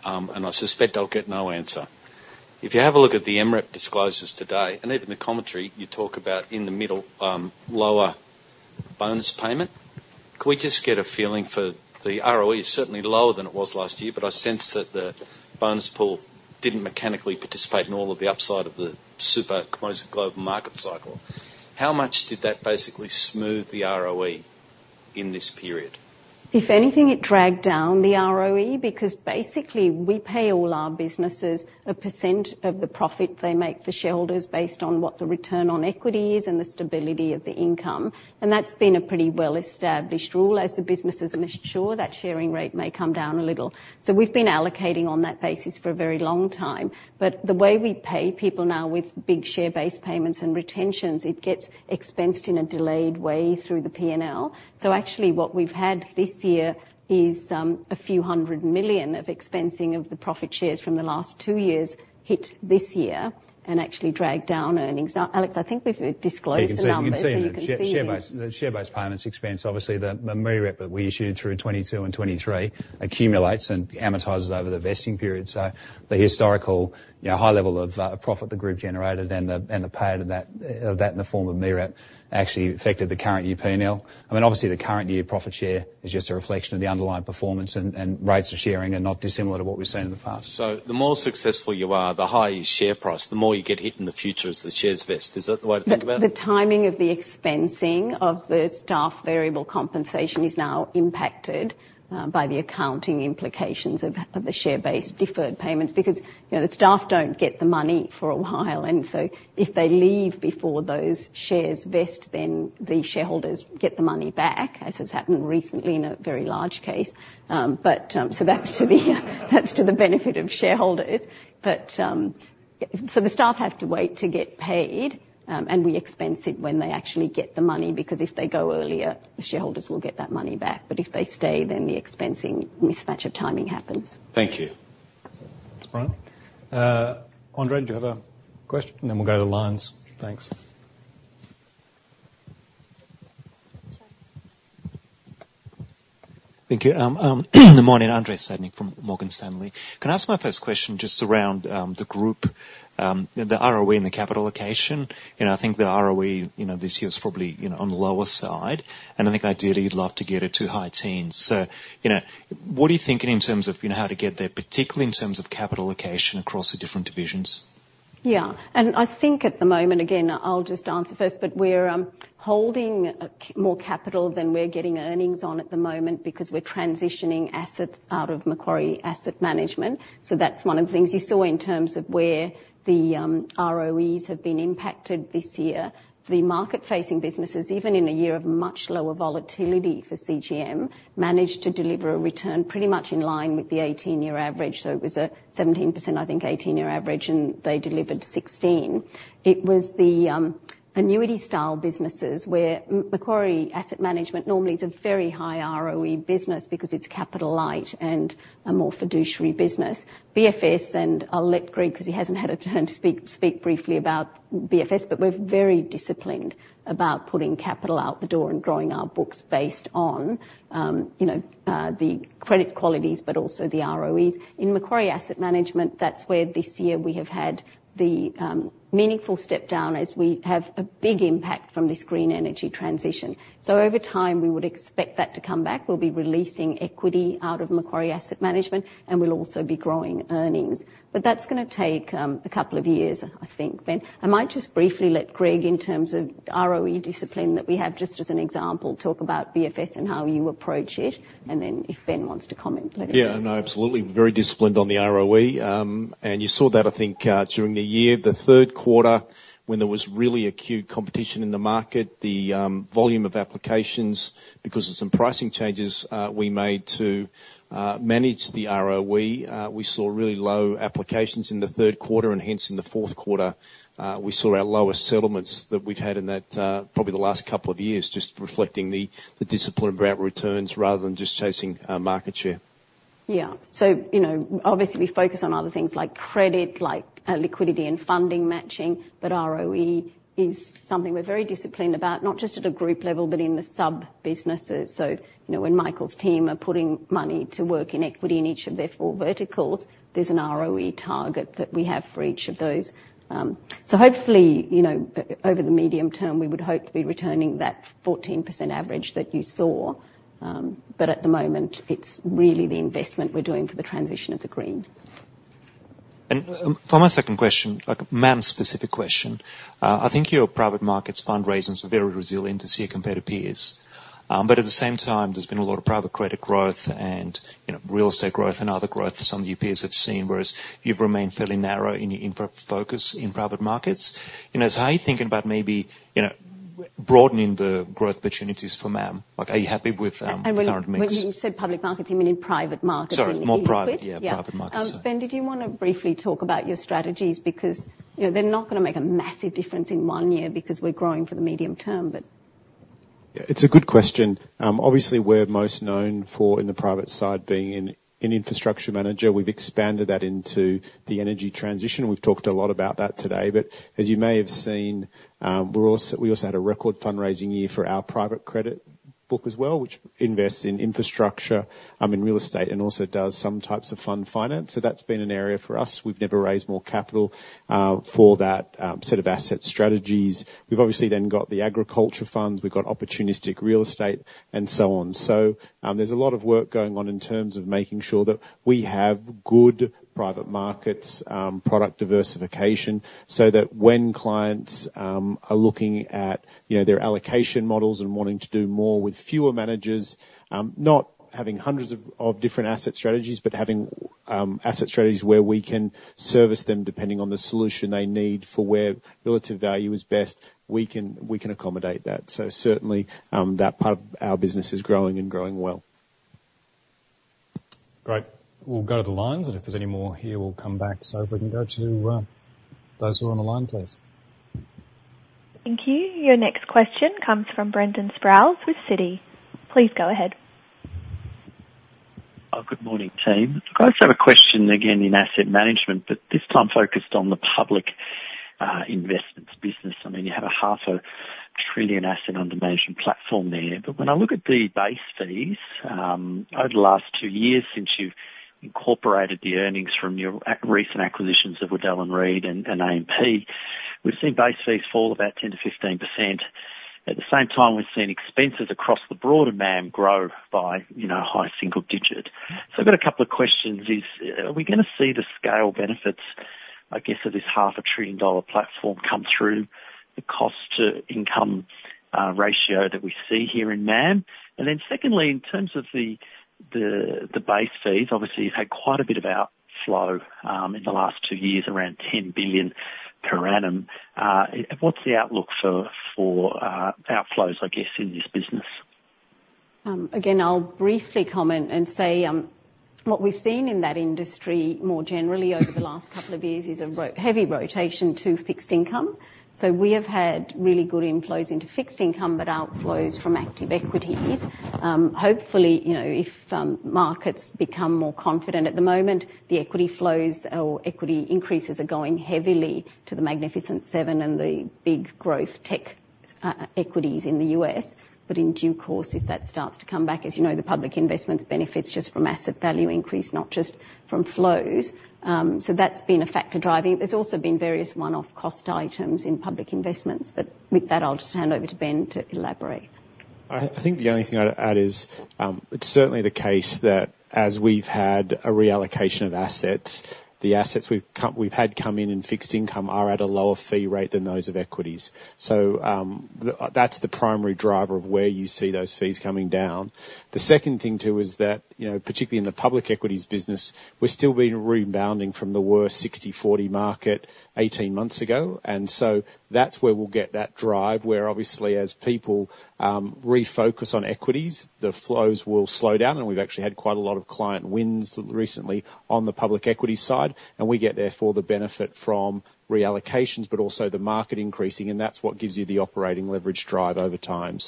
And I suspect I'll get no answer. If you have a look at the MEREP disclosures today and even the commentary, you talk about, in the middle, lower bonus payment. Could we just get a feeling for the ROE? It's certainly lower than it was last year, but I sense that the bonus pool didn't mechanically participate in all of the upside of the super composite global market cycle. How much did that basically smooth the ROE in this period?
If anything, it dragged down the ROE because, basically, we pay all our businesses a percent of the profit they make for shareholders based on what the return on equity is and the stability of the income. And that's been a pretty well-established rule. As the business is mature, that sharing rate may come down a little. So we've been allocating on that basis for a very long time. But the way we pay people now with big share-based payments and retentions, it gets expensed in a delayed way through the P&L. So actually, what we've had this year is a few hundred million AUD of expensing of the profit shares from the last two years hit this year and actually dragged down earnings. Now, Alex, I think we've disclosed the numbers.
So you can see them. Share-based payments expense, obviously, the MEREP that we issued through 2022 and 2023 accumulates and amortizes over the vesting period. So the historical high level of profit the group generated and the payout of that in the form of MEREP actually affected the current year P&L. I mean, obviously, the current year profit share is just a reflection of the underlying performance, and rates of sharing are not dissimilar to what we've seen in the past.
So the more successful you are, the higher your share price, the more you get hit in the future as the shares vest. Is that the way to think about it? The timing of the expensing of the staff variable compensation is now impacted by the accounting implications of the share-based deferred payments because the staff don't get the money for a while. And so if they leave before those shares vest, then the shareholders get the money back, as has happened recently in a very large case. So that's to the benefit of shareholders. So the staff have to wait to get paid, and we expense it when they actually get the money because if they go earlier, the shareholders will get that money back. But if they stay, then the expensing mismatch of timing happens.
Thank you.
Thanks Brian. Andrei, do you have a question? And then we'll go to the lines. Thanks.
Thank you. Good morning. Andrei Stadnik from Morgan Stanley. Can I ask my first question just around the group, the ROE and the capital allocation? I think the ROE this year is probably on the lower side. I think, ideally, you'd love to get it to high teens. So what are you thinking in terms of how to get there, particularly in terms of capital allocation across the different divisions?
Yeah. I think, at the moment again, I'll just answer first. But we're holding more capital than we're getting earnings on at the moment because we're transitioning assets out of Macquarie Asset Management. So that's one of the things you saw in terms of where the ROEs have been impacted this year. The market-facing businesses, even in a year of much lower volatility for CGM, managed to deliver a return pretty much in line with the 18-year average. So it was a 17%, I think, 18-year average, and they delivered 16. It was the annuity-style businesses where Macquarie Asset Management normally is a very high ROE business because it's capital light and a more fiduciary business. BFS and let Greg because he hasn't had a turn to speak briefly about BFS. But we're very disciplined about putting capital out the door and growing our books based on the credit qualities but also the ROEs. In Macquarie Asset Management, that's where, this year, we have had the meaningful step down as we have a big impact from this green energy transition. So over time, we would expect that to come back. We'll be releasing equity out of Macquarie Asset Management, and we'll also be growing earnings. But that's going to take a couple of years, I think, Ben. I might just briefly let Greg, in terms of ROE discipline that we have just as an example, talk about BFS and how you approach it. And then if Ben wants to comment, let him.
Yeah. No, absolutely. Very disciplined on the ROE. And you saw that, I think, during the year, the third quarter, when there was really acute competition in the market, the volume of applications because of some pricing changes we made to manage the ROE. We saw really low applications in the third quarter. And hence, in the fourth quarter, we saw our lowest settlements that we've had in probably the last couple of years, just reflecting the discipline about returns rather than just chasing market share.
Yeah. So obviously, we focus on other things like credit, like liquidity and funding matching. But ROE is something we're very disciplined about, not just at a group level but in the sub-businesses. So when Michael's team are putting money to work in equity in each of their four verticals, there's an ROE target that we have for each of those. So hopefully, over the medium term, we would hope to be returning that 14% average that you saw. But at the moment, it's really the investment we're doing for the transition of the green.
And for my second question, a MAM-specific question, I think your Private Markets fundraisings are very resilient to see it compared to peers. But at the same time, there's been a lot of private credit growth and real estate growth and other growth some of your peers have seen, whereas you've remained fairly narrow in your infra focus in Private Markets. So how are you thinking about maybe broadening the growth opportunities for MAM? Are you happy with the current mix?
And when you said public markets, you mean in Private Markets?
Sorry. More private. Yeah. Private Markets. Sorry.
Ben, did you want to briefly talk about your strategies? Because they're not going to make a massive difference in one year because we're growing for the medium term, but.
Yeah. It's a good question. Obviously, we're most known for, in the private side, being an infrastructure manager. We've expanded that into the energy transition. We've talked a lot about that today. But as you may have seen, we also had a record fundraising year for our private credit book as well, which invests in infrastructure, in real estate, and also does some types of fund finance. So that's been an area for us. We've never raised more capital for that set of asset strategies. We've obviously then got the agriculture funds. We've got opportunistic real estate and so on. So there's a lot of work going on in terms of making sure that we have good Private Markets product diversification so that when clients are looking at their allocation models and wanting to do more with fewer managers, not having hundreds of different asset strategies but having asset strategies where we can service them depending on the solution they need for where relative value is best, we can accommodate that. So certainly, that part of our business is growing and growing well.
Great. We'll go to the lines. And if there's any more here, we'll come back. So if we can go to those who are on the line, please.
Thank you. Your next question comes from Brendan Sproules with Citi. Please go ahead.
Good morning, team. I just have a question again in asset management but this time focused on the Public Investments business. I mean, you have a $0.5 trillion asset under management platform there. But when I look at the base fees, over the last two years, since you've incorporated the earnings from your recent acquisitions of Waddell & Reed and AMP, we've seen base fees fall about 10%-15%. At the same time, we've seen expenses across the broader MAM grow by high single-digit %. So I've got a couple of questions. Are we going to see the scale benefits, I guess, of this $500 billion platform come through the cost-to-income ratio that we see here in MAM? And then secondly, in terms of the base fees, obviously, you've had quite a bit of outflow in the last two years, around $10 billion per annum. What's the outlook for outflows, I guess, in this business?
Again, I'll briefly comment and say what we've seen in that industry more generally over the last couple of years is a heavy rotation to fixed income. So we have had really good inflows into fixed income but outflows from active equities. Hopefully, if markets become more confident at the moment, the equity flows or equity increases are going heavily to the Magnificent Seven and the big growth tech equities in the U.S. But in due course, if that starts to come back, as you know, the Public Investments benefits just from asset value increase, not just from flows. So that's been a factor driving. There's also been various one-off cost items in Public Investments. But with that, I'll just hand over to Ben to elaborate.
I think the only thing I'd add is it's certainly the case that, as we've had a reallocation of assets, the assets we've had come in in fixed income are at a lower fee rate than those of equities. So that's the primary driver of where you see those fees coming down. The second thing, too, is that, particularly in the public equities business, we're still rebounding from the worst 60/40 market 18 months ago. And so that's where we'll get that drive where, obviously, as people refocus on equities, the flows will slow down. We've actually had quite a lot of client wins recently on the public equities side. We get, therefore, the benefit from reallocations but also the market increasing. That's what gives you the operating leverage drive over time.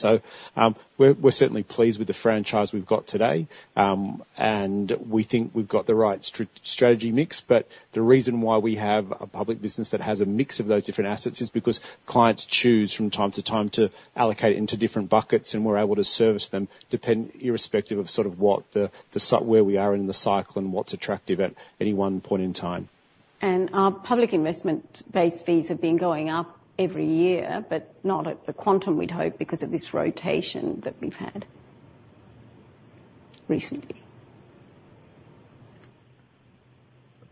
We're certainly pleased with the franchise we've got today. We think we've got the right strategy mix. The reason why we have a public business that has a mix of those different assets is because clients choose, from time to time, to allocate it into different buckets. We're able to service them irrespective of sort of where we are in the cycle and what's attractive at any one point in time.
Our public investments base fees have been going up every year but not at the quantum we'd hope because of this rotation that we've had recently.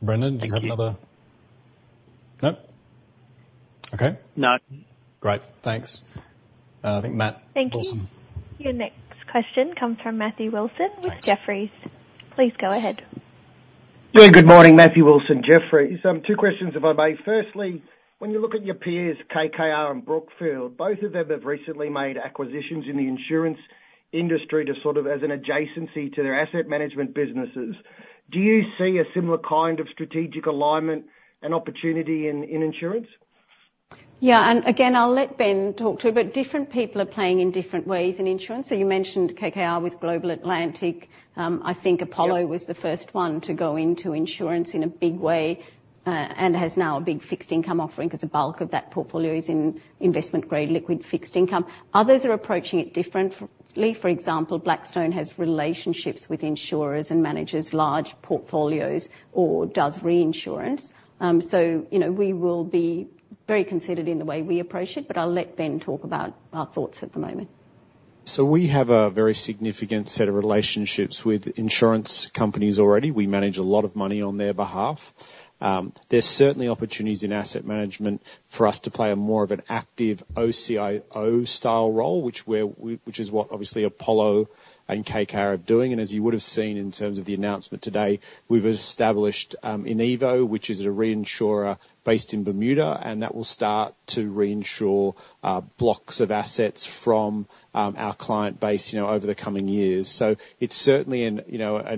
Brendan, do you have another?
Thank you. No? Okay.
No. Great. Thanks. I think, Matt Wilson.
Thank you. Your next question comes from Matthew Wilson with Jefferies. Please go ahead.
Yeah. Good morning, Matthew Wilson, Jefferies. Two questions, if I may. Firstly, when you look at your peers, KKR and Brookfield, both of them have recently made acquisitions in the insurance industry sort of as an adjacency to their asset management businesses. Do you see a similar kind of strategic alignment and opportunity in insurance?
Yeah. And again, I'll let Ben talk too. But different people are playing in different ways in insurance. So you mentioned KKR with Global Atlantic. I think Apollo was the first one to go into insurance in a big way and has now a big fixed income offering because a bulk of that portfolio is in investment-grade liquid fixed income. Others are approaching it differently. For example, Blackstone has relationships with insurers and manages large portfolios or does reinsurance. So we will be very considerate in the way we approach it. But I'll let Ben talk about our thoughts at the moment.
So we have a very significant set of relationships with insurance companies already. We manage a lot of money on their behalf. There's certainly opportunities in asset management for us to play more of an active OCIO-style role, which is what, obviously, Apollo and KKR are doing. And as you would have seen in terms of the announcement today, we've established Inevo, which is a reinsurer based in Bermuda. And that will start to reinsure blocks of assets from our client base over the coming years. So it's certainly an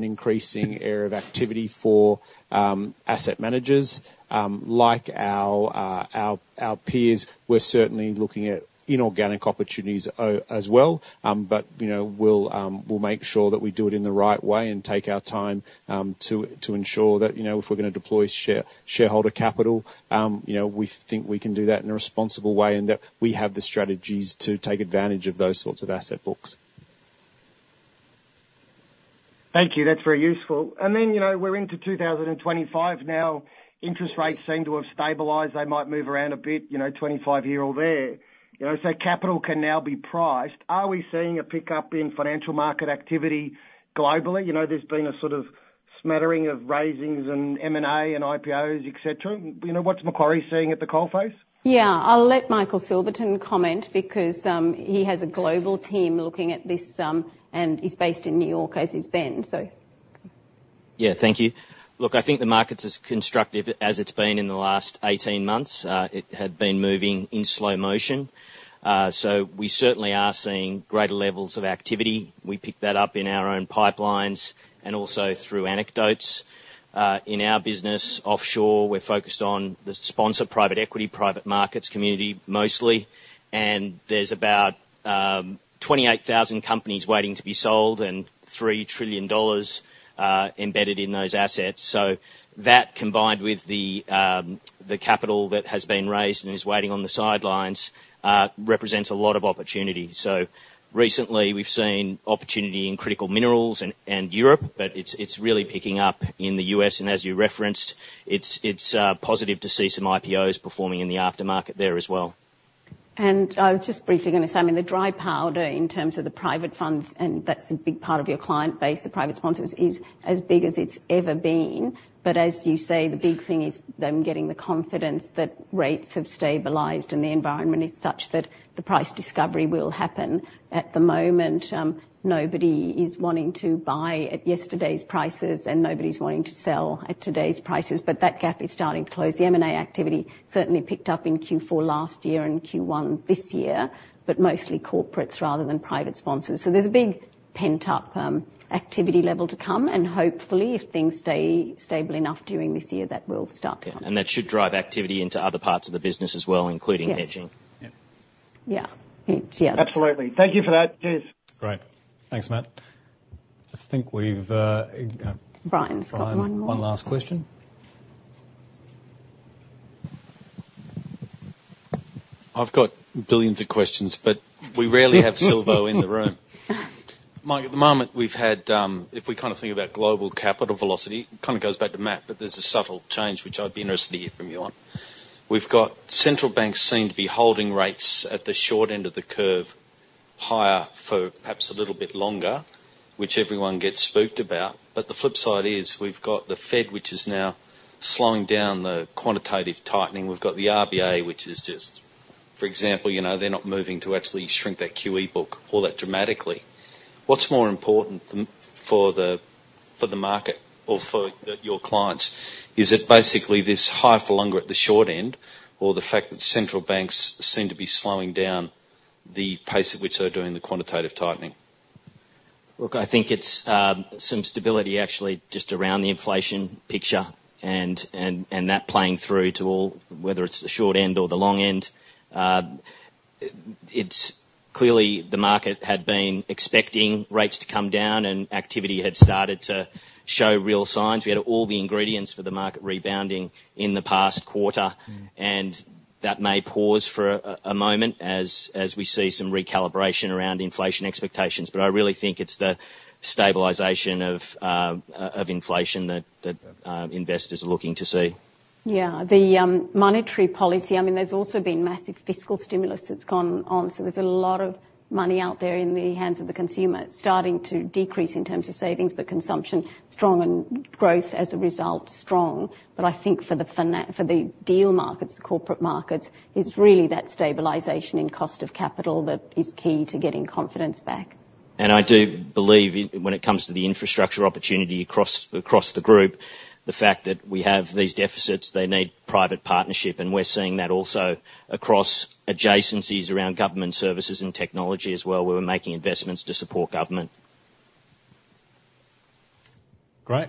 increasing area of activity for asset managers. Like our peers, we're certainly looking at inorganic opportunities as well. But we'll make sure that we do it in the right way and take our time to ensure that if we're going to deploy shareholder capital, we think we can do that in a responsible way and that we have the strategies to take advantage of those sorts of asset books.
Thank you. That's very useful. Then we're into 2025 now. Interest rates seem to have stabilized. They might move around a bit, 25 bps or there. So capital can now be priced. Are we seeing a pickup in financial market activity globally? There's been a sort of smattering of raisings and M&A and IPOs, etc. What's Macquarie seeing at the coal face?
Yeah. I'll let Michael Silverton comment because he has a global team looking at this and is based in New York. Oh, so he's Ben, so.
Yeah. Thank you. Look, I think the market's as constructive as it's been in the last 18 months. It had been moving in slow motion. We certainly are seeing greater levels of activity. We pick that up in our own pipelines and also through anecdotes. In our business offshore, we're focused on the sponsored private equity, Private Markets community mostly. And there's about 28,000 companies waiting to be sold and $3 trillion embedded in those assets. So that, combined with the capital that has been raised and is waiting on the sidelines, represents a lot of opportunity. So recently, we've seen opportunity in critical minerals and Europe. But it's really picking up in the U.S. And as you referenced, it's positive to see some IPOs performing in the aftermarket there as well.
And I was just briefly going to say, I mean, the dry powder, in terms of the private funds - and that's a big part of your client base, the private sponsors - is as big as it's ever been. But as you say, the big thing is them getting the confidence that rates have stabilized and the environment is such that the price discovery will happen. At the moment, nobody is wanting to buy at yesterday's prices. And nobody's wanting to sell at today's prices. But that gap is starting to close. The M&A activity certainly picked up in Q4 last year and Q1 this year but mostly corporates rather than private sponsors. So there's a big pent-up activity level to come. And hopefully, if things stay stable enough during this year, that will start to come.
Yeah.
And that should drive activity into other parts of the business as well, including hedging.
Yes. Yeah. Yeah. Absolutely. Thank you for that.
Cheers. Great. Thanks, Matt. I think we've got one last question. Brian, got one last question.
I've got billions of questions. But we rarely have Silvo in the room. Mike, at the moment, we've had if we kind of think about global capital velocity - it kind of goes back to Matt - but there's a subtle change which I'd be interested to hear from you on. We've got central banks seem to be holding rates at the short end of the curve higher for perhaps a little bit longer, which everyone gets spooked about. But the flip side is we've got the Fed, which is now slowing down the quantitative tightening? We've got the RBA, which is just for example, they're not moving to actually shrink that QE book all that dramatically. What's more important for the market or for your clients? Is it basically this high for longer at the short end or the fact that central banks seem to be slowing down the pace at which they're doing the quantitative tightening?
Look, I think it's some stability, actually, just around the inflation picture and that playing through to whether it's the short end or the long end. Clearly, the market had been expecting rates to come down. And activity had started to show real signs. We had all the ingredients for the market rebounding in the past quarter. And that may pause for a moment as we see some recalibration around inflation expectations. But I really think it's the stabilization of inflation that investors are looking to see.
Yeah. The monetary policy. I mean, there's also been massive fiscal stimulus that's gone on. So there's a lot of money out there in the hands of the consumer starting to decrease in terms of savings but consumption strong and growth as a result strong. But I think for the deal markets, the corporate markets, it's really that stabilization in cost of capital that is key to getting confidence back.
And I do believe, when it comes to the infrastructure opportunity across the group, the fact that we have these deficits, they need private partnership. And we're seeing that also across adjacencies around government services and technology as well where we're making investments to support government.
Great.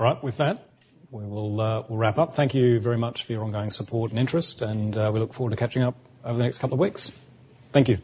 All right. With that, we will wrap up. Thank you very much for your ongoing support and interest. And we look forward to catching up over the next couple of weeks. Thank you.